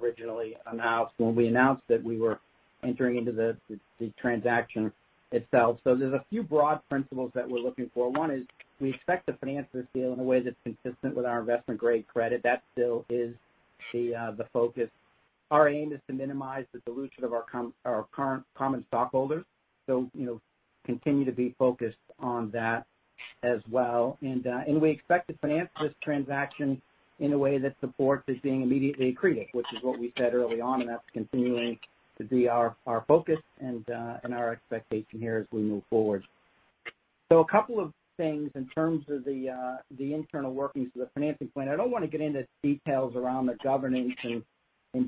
originally announced when we announced that we were entering into the transaction itself. There's a few broad principles that we're looking for. One is we expect to finance this deal in a way that's consistent with our investment-grade credit. That still is the focus. Our aim is to minimize the dilution of our current common stockholders. Continue to be focused on that as well. We expect to finance this transaction in a way that supports us being immediately accretive, which is what we said early on, and that's continuing to be our focus and our expectation here as we move forward. A couple of things in terms of the internal workings of the financing plan. I don't want to get into details around the governance and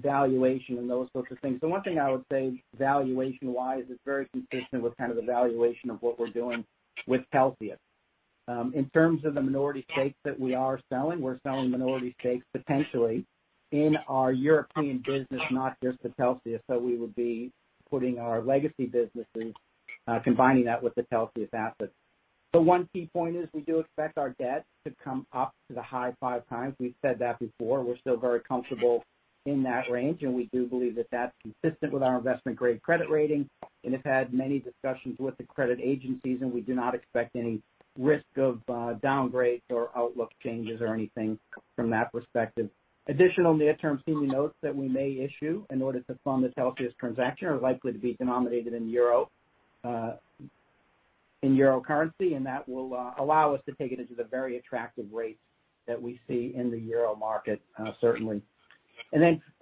valuation and those sorts of things. The one thing I would say, valuation-wise, is very consistent with kind of the valuation of what we're doing with Telxius. In terms of the minority stakes that we are selling, we're selling minority stakes potentially in our European business, not just to Telxius. We will be putting our legacy businesses, combining that with the Telxius assets. The one key point is we do expect our debt to come up to the high five times. We've said that before. We're still very comfortable in that range, and we do believe that that's consistent with our investment-grade credit rating and have had many discussions with the credit agencies, and we do not expect any risk of downgrades or outlook changes or anything from that perspective. Additional near-term senior notes that we may issue in order to fund this Telxius transaction are likely to be denominated in EUR, and that will allow us to take it into the very attractive rates that we see in the euro market, certainly.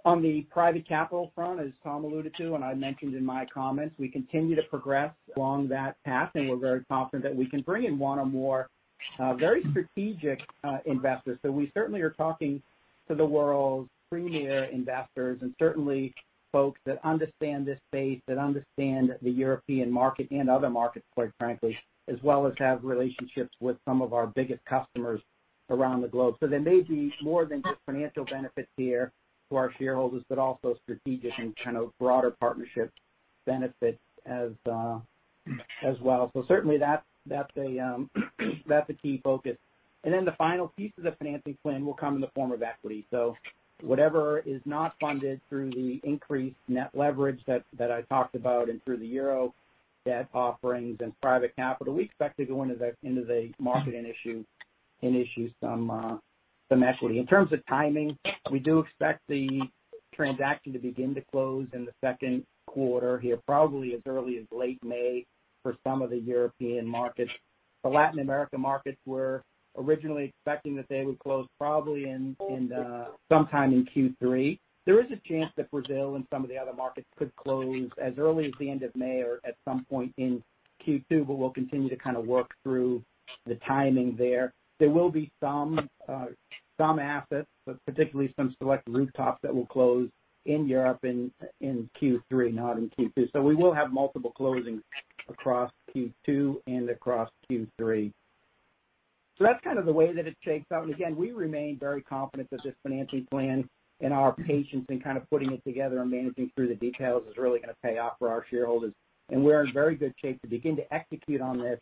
On the private capital front, as Tom alluded to and I mentioned in my comments, we continue to progress along that path, and we're very confident that we can bring in one or more very strategic investors. We certainly are talking to the world's premier investors and certainly folks that understand this space, that understand the European market and other markets, quite frankly, as well as have relationships with some of our biggest customers around the globe. There may be more than just financial benefits here to our shareholders, but also strategic and kind of broader partnership benefits as well. Certainly that's a key focus. Then the final piece of the financing plan will come in the form of equity. Whatever is not funded through the increased net leverage that I talked about and through the euro debt offerings and private capital, we expect to go into the market and issue some equity. In terms of timing, we do expect the transaction to begin to close in the second quarter here, probably as early as late May for some of the European markets. The Latin America markets we're originally expecting that they would close probably sometime in Q3. There is a chance that Brazil and some of the other markets could close as early as the end of May or at some point in Q2. We'll continue to kind of work through the timing there. There will be some assets, particularly some select rooftops that will close in Europe in Q3, not in Q2. We will have multiple closings across Q2 and across Q3. That's kind of the way that it shakes out. Again, we remain very confident that this financing plan and our patience in kind of putting it together and managing through the details is really going to pay off for our shareholders. We're in very good shape to begin to execute on this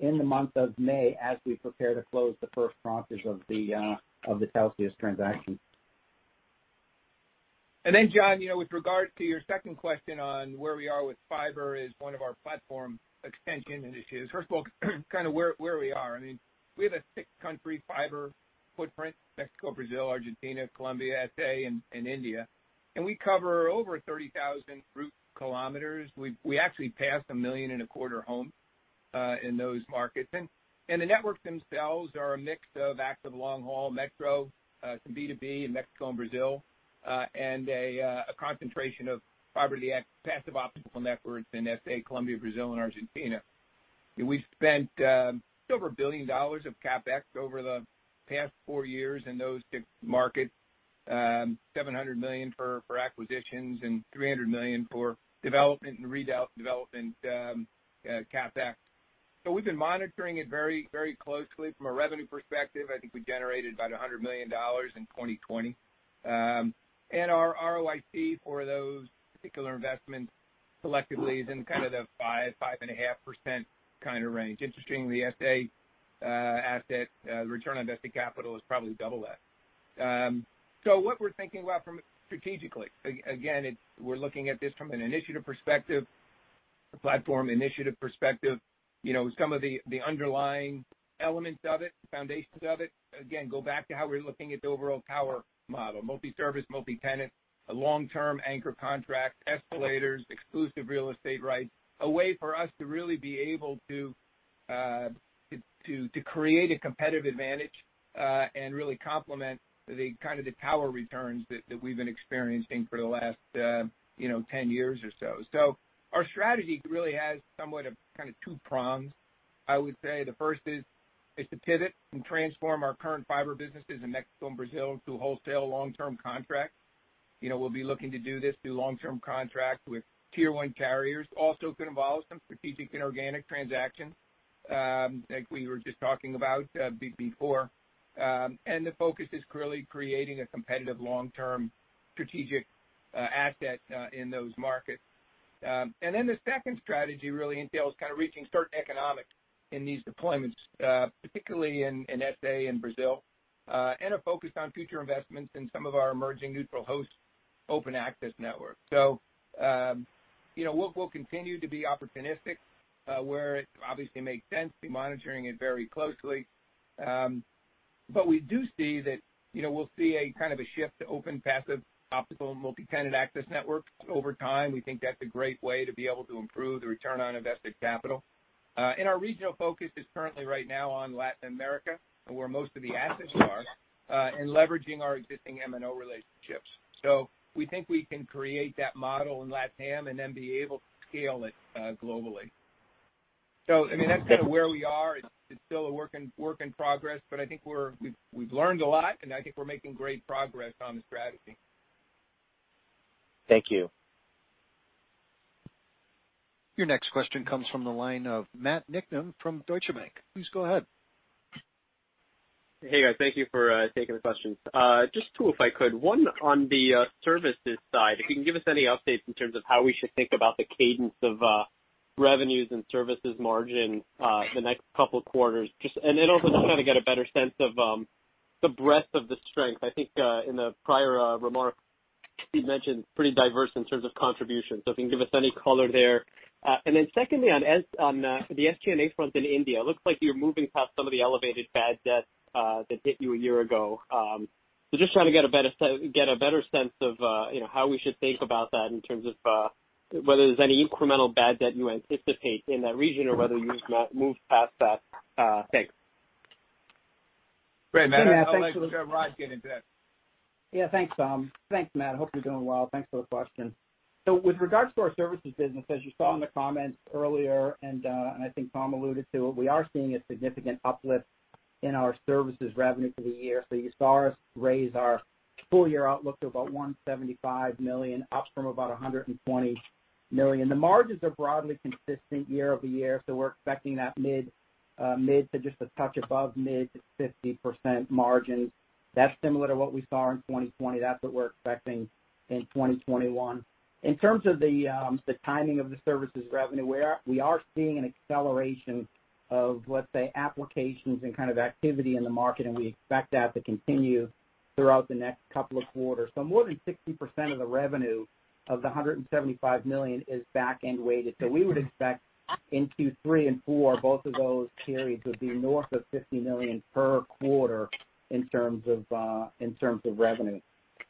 in the month of May as we prepare to close the first tranche of the Telxius transaction. Jon, with regard to your second question on where we are with fiber as one of our platform extension initiatives. Where we are. We have a six-country fiber footprint, Mexico, Brazil, Argentina, Colombia, SA, and India, and we cover over 30,000 route kilometers. We passed 1.25 million homes in those markets. The networks themselves are a mix of active long-haul metro, some B2B in Mexico and Brazil, and a concentration of fiber passive optical networks in SA, Colombia, Brazil, and Argentina. We've spent just over $1 billion of CapEx over the past four years in those six markets, $700 million for acquisitions and $300 million for development and redevelopment CapEx. We've been monitoring it very closely from a revenue perspective. We generated about $100 million in 2020. Our ROIC for those particular investments collectively is in kind of the 5%, 5.5% kind of range. Interestingly, the SA asset, return on invested capital is probably double that. What we're thinking about from strategically, again, we're looking at this from an initiative perspective, a platform initiative perspective. Some of the underlying elements of it, foundations of it, again, go back to how we're looking at the overall tower model. Multi-service, multi-tenant, a long-term anchor contract, escalators, exclusive real estate rights. A way for us to really be able to create a competitive advantage, and really complement the kind of the tower returns that we've been experiencing for the last 10 years or so. Our strategy really has somewhat of kind of two prongs, I would say. The first is to pivot and transform our current fiber businesses in Mexico and Brazil through wholesale long-term contracts. We'll be looking to do this through long-term contracts with Tier 1 carriers. Could involve some strategic inorganic transactions. Like we were just talking about before, the focus is really creating a competitive long-term strategic asset in those markets. The second strategy really entails reaching certain economics in these deployments, particularly in SA and Brazil, a focus on future investments in some of our emerging neutral host open access networks. We'll continue to be opportunistic where it obviously makes sense, be monitoring it very closely. We do see that we'll see a kind of a shift to open passive optical multi-tenant access networks over time. We think that's a great way to be able to improve the return on invested capital. Our regional focus is currently right now on Latin America, where most of the assets are, leveraging our existing MNO relationships. We think we can create that model in LatAm and then be able to scale it globally. That's kind of where we are. It's still a work in progress, but I think we've learned a lot, and I think we're making great progress on the strategy. Thank you. Your next question comes from the line of Matthew Niknam from Deutsche Bank. Please go ahead. Hey, guys. Thank you for taking the questions. Just two, if I could. One on the services side, if you can give us any updates in terms of how we should think about the cadence of revenues and services margin the next couple of quarters. Also just to get a better sense of the breadth of the strength. I think in the prior remarks, you mentioned pretty diverse in terms of contributions. If you can give us any color there. Secondly, on the SG&A front in India, looks like you're moving past some of the elevated bad debt that hit you a year ago. Just trying to get a better sense of how we should think about that in terms of whether there's any incremental bad debt you anticipate in that region or whether you've moved past that. Thanks. Great, Matt. Hey, Matt. I'll let Rod get into that. Thanks, Tom. Thanks, Matt. Hope you're doing well. Thanks for the question. With regards to our services business, as you saw in the comments earlier, and I think Tom alluded to it, we are seeing a significant uplift in our services revenue for the year. You saw us raise our full-year outlook to about $175 million, up from about $120 million. The margins are broadly consistent year-over-year, we're expecting that mid to just a touch above mid 50% margins. That's similar to what we saw in 2020. That's what we're expecting in 2021. In terms of the timing of the services revenue, we are seeing an acceleration of, let's say, applications and kind of activity in the market, and we expect that to continue throughout the next couple of quarters. More than 60% of the revenue of the $175 million is back-end weighted. We would expect in Q3 and Q4, both of those periods would be north of $50 million per quarter in terms of revenue.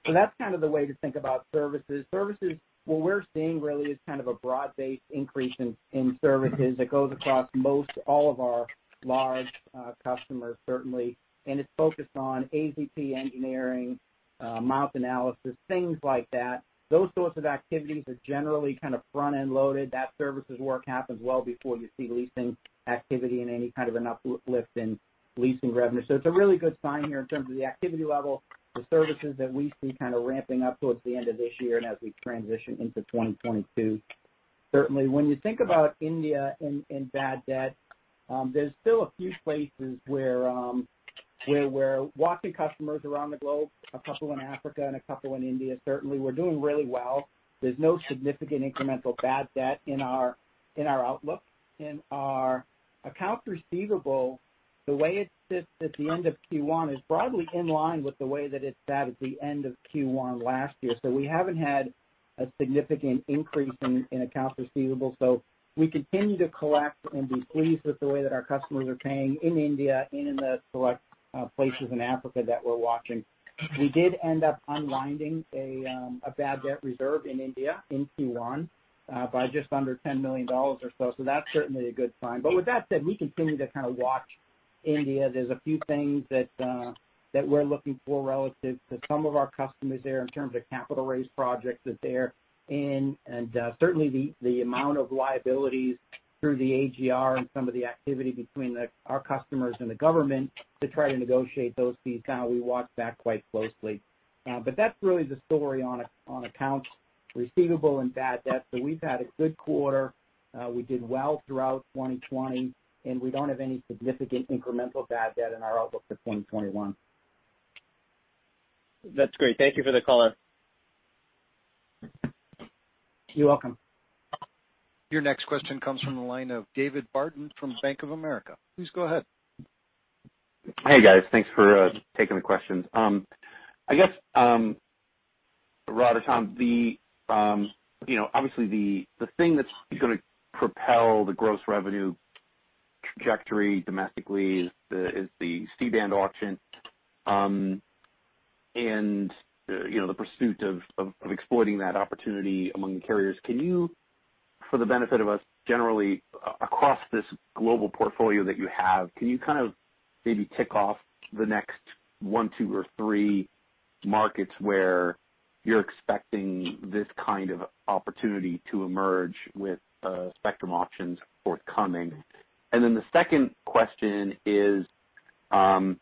That's kind of the way to think about services. Services, what we're seeing really is kind of a broad-based increase in services that goes across most all of our large customers, certainly, and it's focused on A&E engineering, MIMO analysis, things like that. Those sorts of activities are generally kind of front-end loaded. That services work happens well before you see leasing activity and any kind of an uplift in leasing revenue. It's a really good sign here in terms of the activity level for services that we see kind of ramping up towards the end of this year and as we transition into 2022. When you think about India and bad debt, there's still a few places where we're watching customers around the globe, a couple in Africa and a couple in India, certainly. We're doing really well. There's no significant incremental bad debt in our outlook. In our accounts receivable, the way it sits at the end of Q1 is broadly in line with the way that it sat at the end of Q1 last year. We haven't had a significant increase in accounts receivable, so we continue to collect and be pleased with the way that our customers are paying in India and in the select places in Africa that we're watching. We did end up unwinding a bad debt reserve in India in Q1 by just under $10 million or so. That's certainly a good sign. With that said, we continue to kind of watch India. There's a few things that we're looking for relative to some of our customers there in terms of capital raise projects that they're in, and certainly the amount of liabilities through the AGR and some of the activity between our customers and the government to try to negotiate those fees. We watch that quite closely. That's really the story on accounts receivable and bad debt. We've had a good quarter. We did well throughout 2020, and we don't have any significant incremental bad debt in our outlook for 2021. That's great. Thank you for the color. You're welcome. Your next question comes from the line of David Barden from Bank of America. Please go ahead. Hey, guys. Thanks for taking the questions. I guess, Rod or Tom, obviously the thing that's going to propel the gross revenue trajectory domestically is the C-band auction, and the pursuit of exploiting that opportunity among the carriers. Can you, for the benefit of us generally, across this global portfolio that you have, can you kind of maybe tick off the next one, two, or three markets where you're expecting this kind of opportunity to emerge with spectrum auctions forthcoming? The second question is John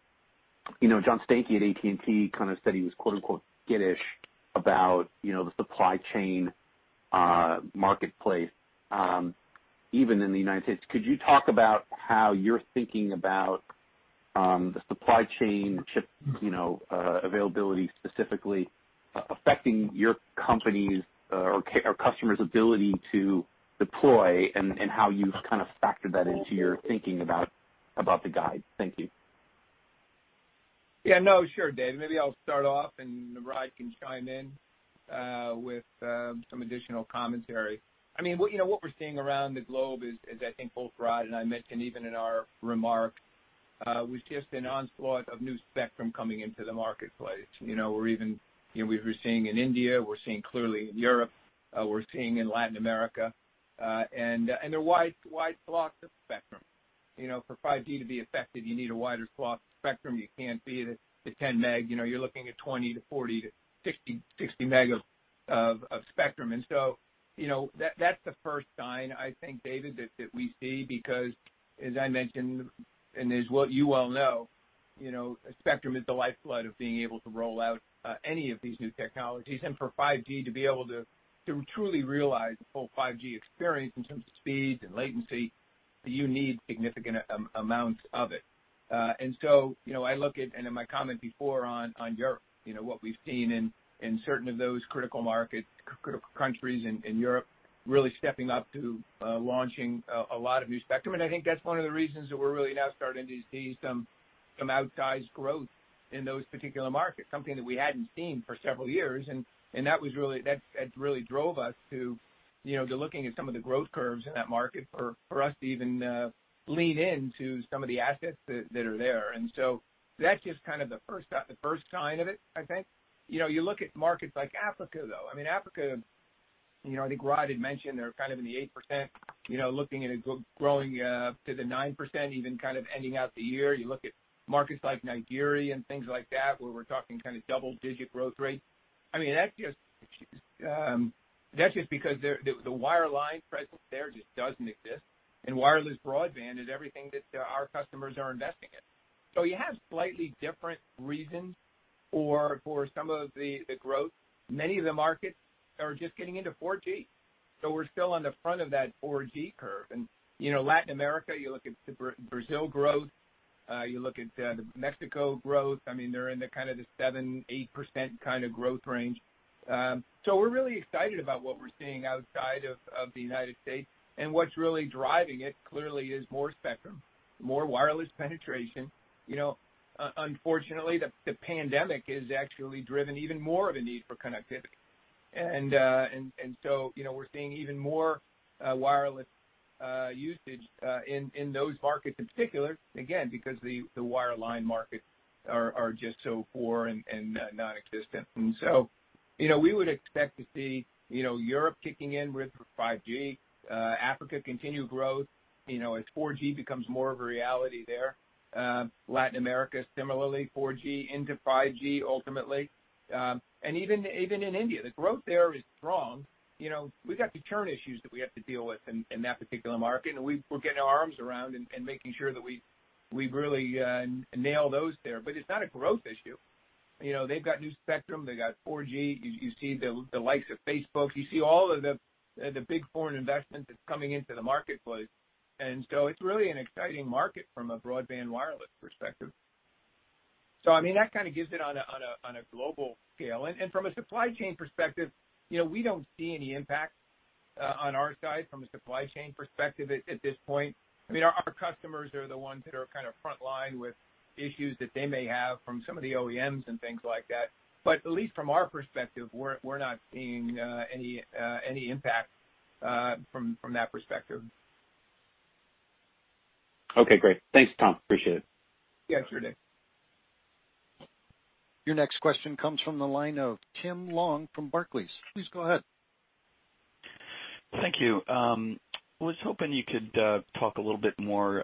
Stankey at AT&T kind of said he was, quote-unquote, "skittish" about the supply chain, marketplace, even in the U.S. Could you talk about how you're thinking about, the supply chain chip availability specifically affecting your company's or customers' ability to deploy and how you've kind of factored that into your thinking about the guide? Thank you. Yeah, no, sure, David. Maybe I'll start off and Rod can chime in with some additional commentary. What we're seeing around the globe is, as I think both Rod and I mentioned, even in our remarks, was just an onslaught of new spectrum coming into the marketplace. We're seeing in India, we're seeing clearly in Europe, we're seeing in Latin America, and they're wide swaths of spectrum. For 5G to be effective, you need a wider swath of spectrum. You can't be at the 10 Mbps. You're looking at 20 Mbps to 40 Mbps to 60 Mbps of spectrum. That's the first sign, I think, David, that we see because as I mentioned, and as you well know, spectrum is the lifeblood of being able to roll out any of these new technologies. For 5G to be able to truly realize the full 5G experience in terms of speeds and latency, you need significant amounts of it. I look at, and in my comment before on Europe, what we've seen in certain of those critical markets, critical countries in Europe, really stepping up to launching a lot of new spectrum. I think that's one of the reasons that we're really now starting to see some outsized growth in those particular markets, something that we hadn't seen for several years. That really drove us to looking at some of the growth curves in that market for us to even lean into some of the assets that are there. That's just the first sign of it, I think. You look at markets like Africa, though. Africa, I think Rod had mentioned they're kind of in the 8%, looking at it growing to the 9%, even kind of ending out the year. You look at markets like Nigeria and things like that, where we're talking double-digit growth rates. That's just because the wireline presence there just doesn't exist, and wireless broadband is everything that our customers are investing in. You have slightly different reasons for some of the growth. Many of the markets are just getting into 4G, so we're still on the front of that 4G curve. Latin America, you look at Brazil growth, you look at the Mexico growth, they're in the kind of the seven, 8% kind of growth range. We're really excited about what we're seeing outside of the United States. What's really driving it clearly is more spectrum, more wireless penetration. Unfortunately, the pandemic has actually driven even more of a need for connectivity. We're seeing even more wireless usage in those markets in particular, again, because the wireline markets are just so poor and nonexistent. We would expect to see Europe kicking in with 5G, Africa continue growth, as 4G becomes more of a reality there. Latin America, similarly, 4G into 5G ultimately. Even in India, the growth there is strong. We got return issues that we have to deal with in that particular market, and we're getting our arms around and making sure that we really nail those there. It's not a growth issue. They've got new spectrum, they've got 4G. You see the likes of Facebook. You see all of the big foreign investment that's coming into the marketplace. It's really an exciting market from a broadband wireless perspective. That kind of gives it on a global scale. From a supply chain perspective, we don't see any impact on our side from a supply chain perspective at this point. Our customers are the ones that are kind of front line with issues that they may have from some of the OEMs and things like that. At least from our perspective, we're not seeing any impact from that perspective. Okay, great. Thanks, Tom. Appreciate it. Yes, sir, David. Your next question comes from the line of Tim Long from Barclays. Please go ahead. Thank you. Was hoping you could talk a little bit more,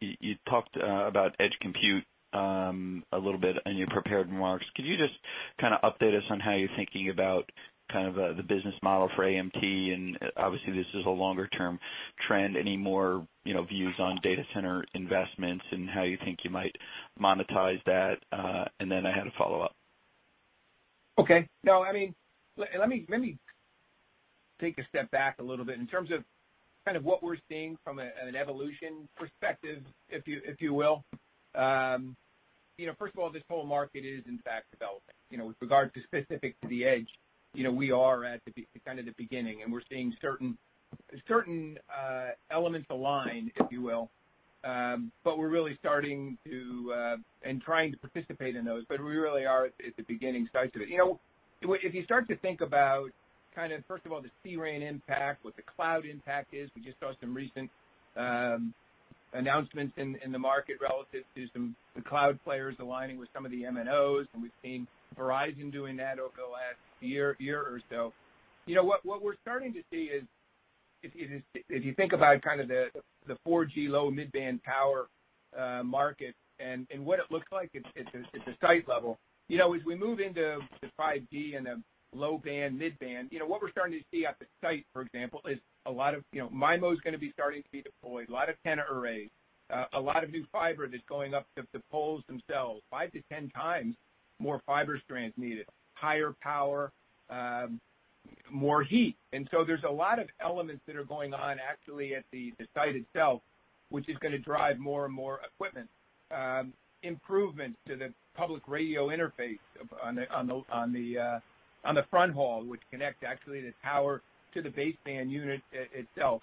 you talked about edge compute a little bit in your prepared remarks. Could you just update us on how you're thinking about the business model for AMT? Obviously this is a longer-term trend. Any more views on data center investments and how you think you might monetize that? I had a follow-up. Okay. Let me take a step back a little bit. In terms of what we're seeing from an evolution perspective, if you will. First of all, this whole market is, in fact, developing. With regard to specific to the edge, we are at the beginning, and we're seeing certain elements align, if you will. We're really starting to and trying to participate in those, but we really are at the beginning starts of it. If you start to think about, first of all, the CRAN impact, what the cloud impact is, we just saw some recent announcements in the market relative to some cloud players aligning with some of the MNOs, and we've seen Verizon doing that over the last year or so. What we're starting to see is, if you think about the 4G low mid-band power market and what it looks like at the site level, as we move into the 5G and the low band, mid-band, what we're starting to see at the site, for example, is a lot of MIMO is going to be starting to be deployed, a lot of antenna arrays, a lot of new fiber that's going up the poles themselves, five to 10 times more fiber strands needed, higher power, more heat. There's a lot of elements that are going on actually at the site itself, which is going to drive more and more equipment improvements to the public radio interface on the front haul, which connect, actually, the power to the baseband unit itself.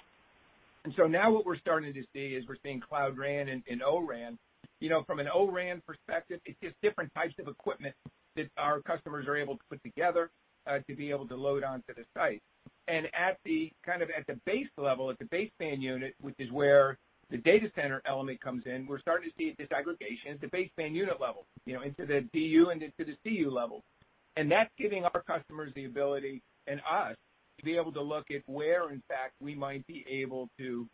Now what we're starting to see is we're seeing Cloud RAN and O-RAN. From an O-RAN perspective, it's just different types of equipment that our customers are able to put together to be able to load onto the site. At the base level, at the baseband unit, which is where the data center element comes in, we're starting to see disaggregation at the baseband unit level, into the DU and into the CU level. That's giving our customers the ability, and us, to be able to look at where, in fact, we might be able to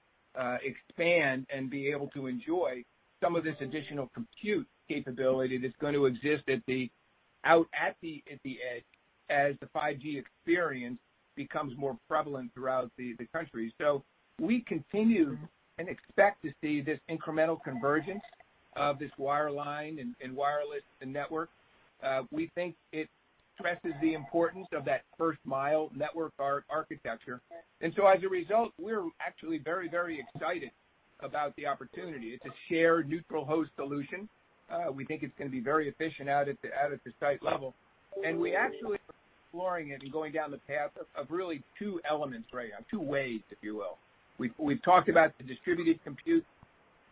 expand and be able to enjoy some of this additional compute capability that's going to exist out at the edge as the 5G experience becomes more prevalent throughout the country. We continue and expect to see this incremental convergence of this wireline and wireless and network. We think it stresses the importance of that first-mile network architecture. As a result, we're actually very excited about the opportunity. It's a shared neutral host solution. We think it's going to be very efficient out at the site level. We actually are exploring it and going down the path of really two elements right now, two ways, if you will. We've talked about the distributed compute.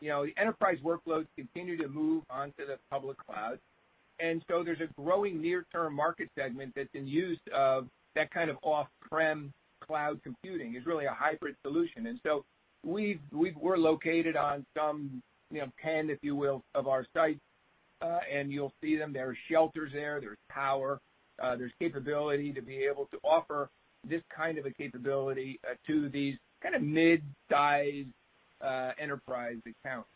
The enterprise workloads continue to move onto the public cloud. There's a growing near-term market segment that's in use of that kind of off-prem cloud computing. It's really a hybrid solution. We're located on some pen, if you will, of our sites. You'll see them. There are shelters there. There's power. There's capability to be able to offer this kind of a capability to these mid-size enterprise accounts.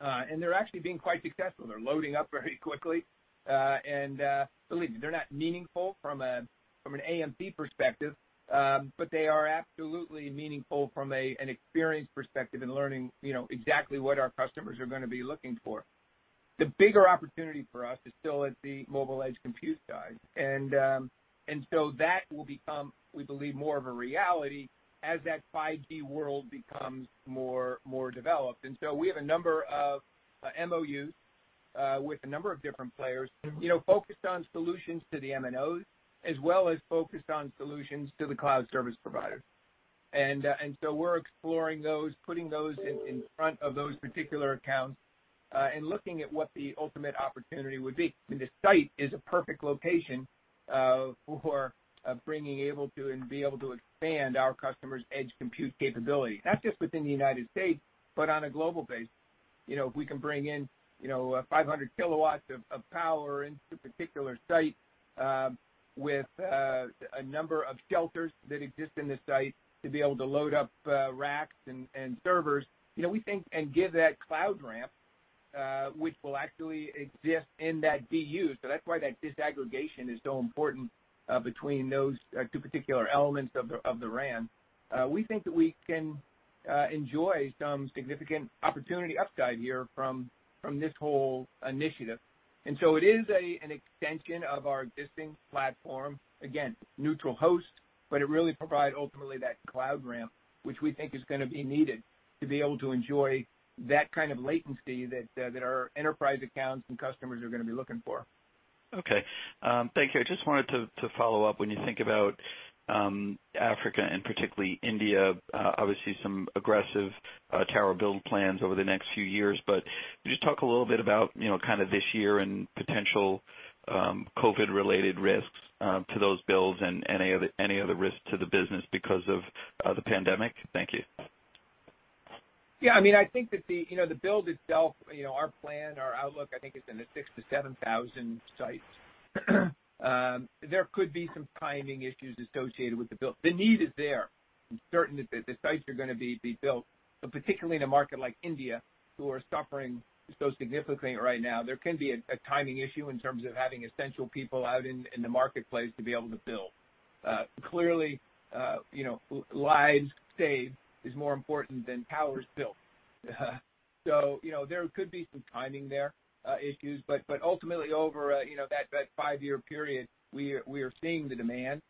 They're actually being quite successful. They're loading up very quickly. Believe me, they're not meaningful from an AMT perspective, but they are absolutely meaningful from an experience perspective in learning exactly what our customers are going to be looking for. The bigger opportunity for us is still at the mobile edge compute side. That will become, we believe, more of a reality as that 5G world becomes more developed. We have a number of MOUs with a number of different players focused on solutions to the MNOs, as well as focused on solutions to the cloud service providers. We're exploring those, putting those in front of those particular accounts, and looking at what the ultimate opportunity would be. The site is a perfect location for bringing able to and be able to expand our customers' edge compute capability, not just within the United States, but on a global base. If we can bring in 500 kW of power into a particular site with a number of shelters that exist in the site to be able to load up racks and servers, and give that cloud RAN, which will actually exist in that DU. That's why that disaggregation is so important between those two particular elements of the RAN. We think that we can enjoy some significant opportunity upside here from this whole initiative. It is an extension of our existing platform, again, neutral host, but it really provide ultimately that Cloud RAN, which we think is going to be needed to be able to enjoy that kind of latency that our enterprise accounts and customers are going to be looking for. Okay. Thank you. I just wanted to follow up when you think about Africa and particularly India, obviously some aggressive tower build plans over the next few years. Can you just talk a little bit about this year and potential COVID-related risks to those builds and any other risks to the business because of the pandemic? Thank you. Yeah. I think that the build itself, our plan, our outlook, I think, is in the 6,000 to 7,000 sites. There could be some timing issues associated with the build. The need is there. I'm certain that the sites are going to be built. Particularly in a market like India, who are suffering so significantly right now, there can be a timing issue in terms of having essential people out in the marketplace to be able to build. Clearly, lives saved is more important than towers built. There could be some timing there, issues. Ultimately, over that five-year period, we are seeing the demand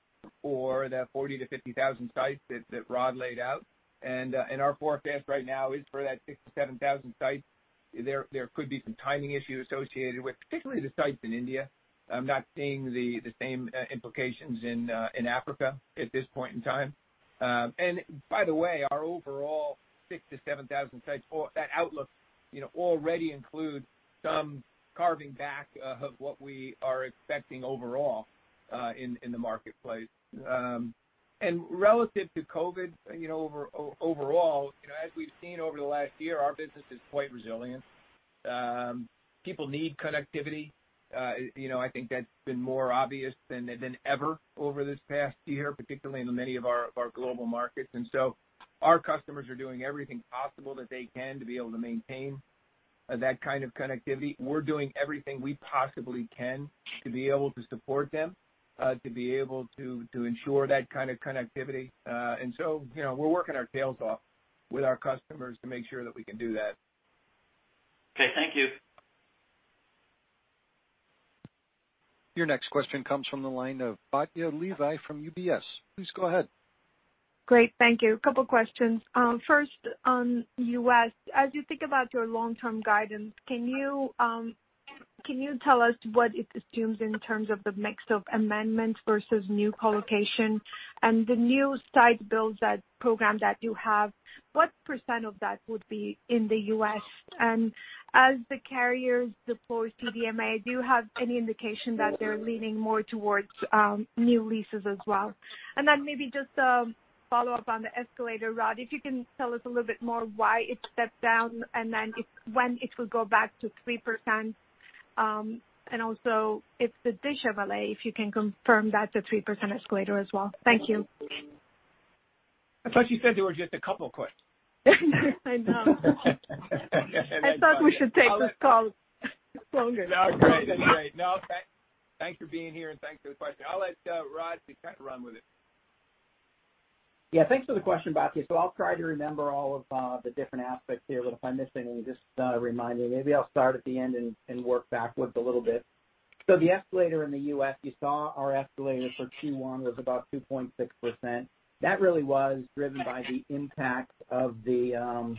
for the 40,000 to 50,000 sites that Rod laid out. Our forecast right now is for that 6,000 to 7,000 sites. There could be some timing issues associated with, particularly the sites in India. I'm not seeing the same implications in Africa at this point in time. By the way, our overall 6,000 to 7,000 sites, that outlook already includes some carving back of what we are expecting overall in the marketplace. Relative to COVID, overall, as we've seen over the last year, our business is quite resilient. People need connectivity. I think that's been more obvious than ever over this past year, particularly in many of our global markets. Our customers are doing everything possible that they can to be able to maintain that kind of connectivity. We're doing everything we possibly can to be able to support them, to be able to ensure that kind of connectivity. We're working our tails off with our customers to make sure that we can do that. Okay, thank you. Your next question comes from the line of Batya Levi from UBS. Please go ahead. Great. Thank you. Couple questions. First, on U.S., as you think about your long-term guidance, can you tell us what it assumes in terms of the mix of amendments versus new colocation and the new site builds program that you have, what percent of that would be in the U.S.? As the carriers deploy TDMA, do you have any indication that they're leaning more towards new leases as well? Then maybe just follow up on the escalator, Rod, if you can tell us a little bit more why it stepped down and then when it will go back to 3%, and also if the DISH MLA, if you can confirm that's a 3% escalator as well. Thank you. I thought you said there were just a couple questions? I know. I thought we should take this call longer. No, great. Anyway, no, thanks for being here, and thanks for the question. I'll let Rod kind of run with it. Yeah, thanks for the question, Batya. I'll try to remember all of the different aspects here, but if I'm missing any, just remind me. Maybe I'll start at the end and work backwards a little bit. The escalator in the U.S., you saw our escalator for Q1 was about 2.6%. That really was driven by the impact of timing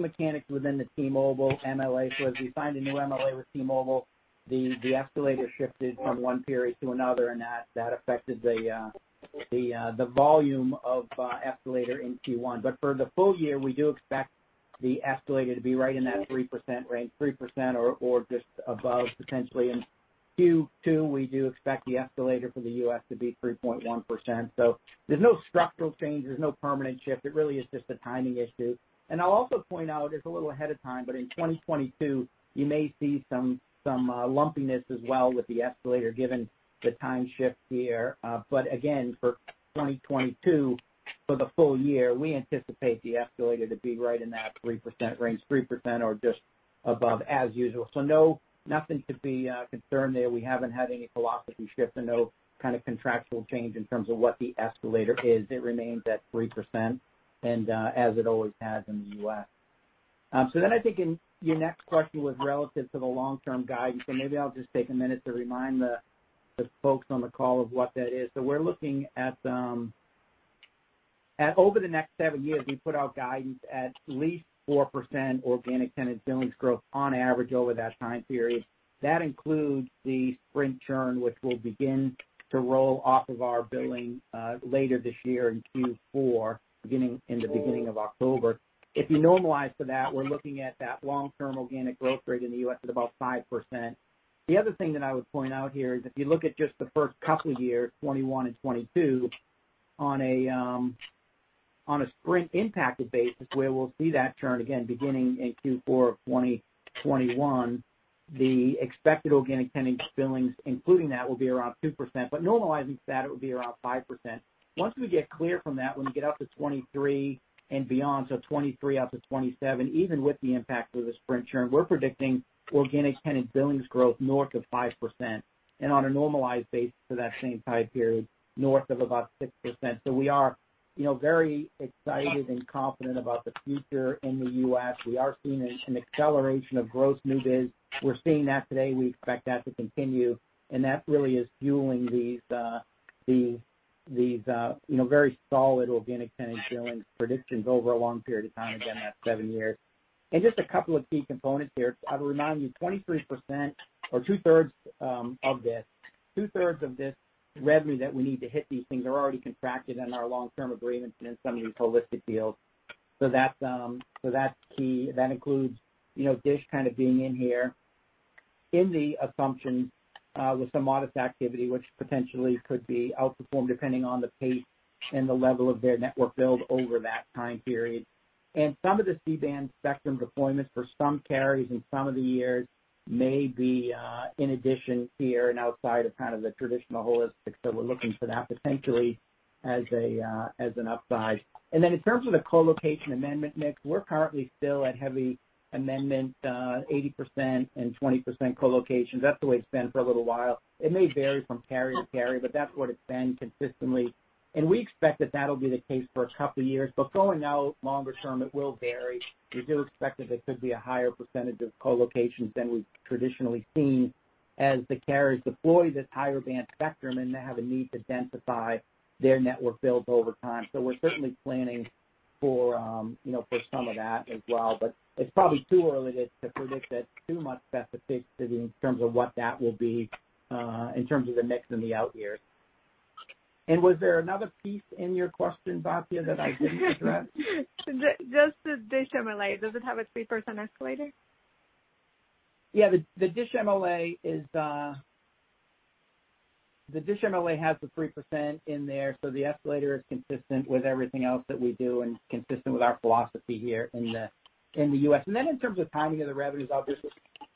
mechanics within the T-Mobile MLA. As we signed a new MLA with T-Mobile, the escalator shifted from one period to another, and that affected the volume of escalator in Q1. For the full year, we do expect the escalator to be right in that 3% range, 3% or just above, potentially. In Q2, we do expect the escalator for the U.S. to be 3.1%. There's no structural change, there's no permanent shift. It really is just a timing issue. I'll also point out, it's a little ahead of time, but in 2022, you may see some lumpiness as well with the escalator given the time shift here. Again, for 2022, for the full year, we anticipate the escalator to be right in that 3% range, 3% or just above as usual. Nothing to be concerned there. We haven't had any philosophy shift and no kind of contractual change in terms of what the escalator is. It remains at 3% and as it always has in the U.S. I think your next question was relative to the long-term guidance, so maybe I'll just take a minute to remind the folks on the call of what that is. We're looking at, over the next seven years, we put out guidance at least 4% Organic Tenant Billings Growth on average over that time period. That includes the Sprint churn, which will begin to roll off of our billing later this year in Q4, beginning in the beginning of October. If you normalize for that, we're looking at that long-term organic growth rate in the U.S. at about 5%. The other thing that I would point out here is if you look at just the first couple years, 2021 and 2022, on a Sprint impacted basis, where we'll see that churn again beginning in Q4 of 2021, the expected organic tenant billings, including that, will be around 2%. Normalizing that, it would be around 5%. Once we get clear from that, when we get out to 2023 and beyond, 2023 out to 2027, even with the impact of the Sprint churn, we're predicting Organic Tenant Billings Growth north of 5%, and on a normalized basis for that same time period, north of about 6%. We are very excited and confident about the future in the U.S. We are seeing an acceleration of gross new biz. We're seeing that today. We expect that to continue, and that really is fueling these very solid Organic Tenant Billings Growth predictions over a long period of time, again, that seven years. Just a couple of key components here. I will remind you, 23% or 2/3 of this revenue that we need to hit these things are already contracted in our long-term agreements and in some of these holistic deals. That's key. That includes DISH kind of being in here in the assumption with some modest activity, which potentially could be outperformed depending on the pace and the level of their network build over that time period. Some of the C-band spectrum deployments for some carriers in some of the years may be in addition here and outside of kind of the traditional holistic. We're looking for that potentially as an upside. In terms of the colocation amendment mix, we're currently still at heavy amendment, 80% and 20% colocation. That's the way it's been for a little while. It may vary from carrier to carrier, but that's what it's been consistently, and we expect that that'll be the case for a couple years. Going out longer term, it will vary. We do expect that there could be a higher percentage of colocation than we've traditionally seen as the carriers deploy this higher band spectrum and they have a need to densify their network builds over time. We're certainly planning for some of that as well, but it's probably too early to predict at too much specificity in terms of what that will be in terms of the mix in the out years. Was there another piece in your question, Batya, that I didn't address? Just the Dish MLA, does it have a 3% escalator? Yeah. The DISH MLA has the 3% in there, so the escalator is consistent with everything else that we do and consistent with our philosophy here in the U.S. In terms of timing of the revenues, I'll just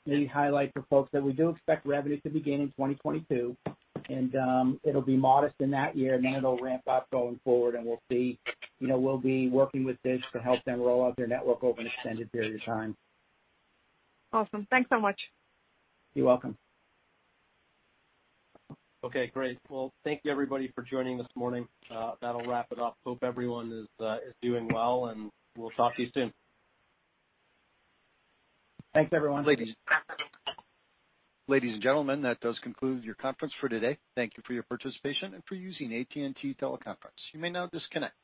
maybe highlight for folks that we do expect revenue to begin in 2022, and it'll be modest in that year, and then it'll ramp up going forward, and we'll be working with DISH to help them roll out their network over an extended period of time. Awesome. Thanks so much. You're welcome. Okay, great. Thank you everybody for joining this morning. That'll wrap it up. I hope everyone is doing well, and we'll talk to you soon. Thanks, everyone. Ladies and gentlemen, that does conclude your conference for today. Thank you for your participation and for using AT&T TeleConference. You may now disconnect.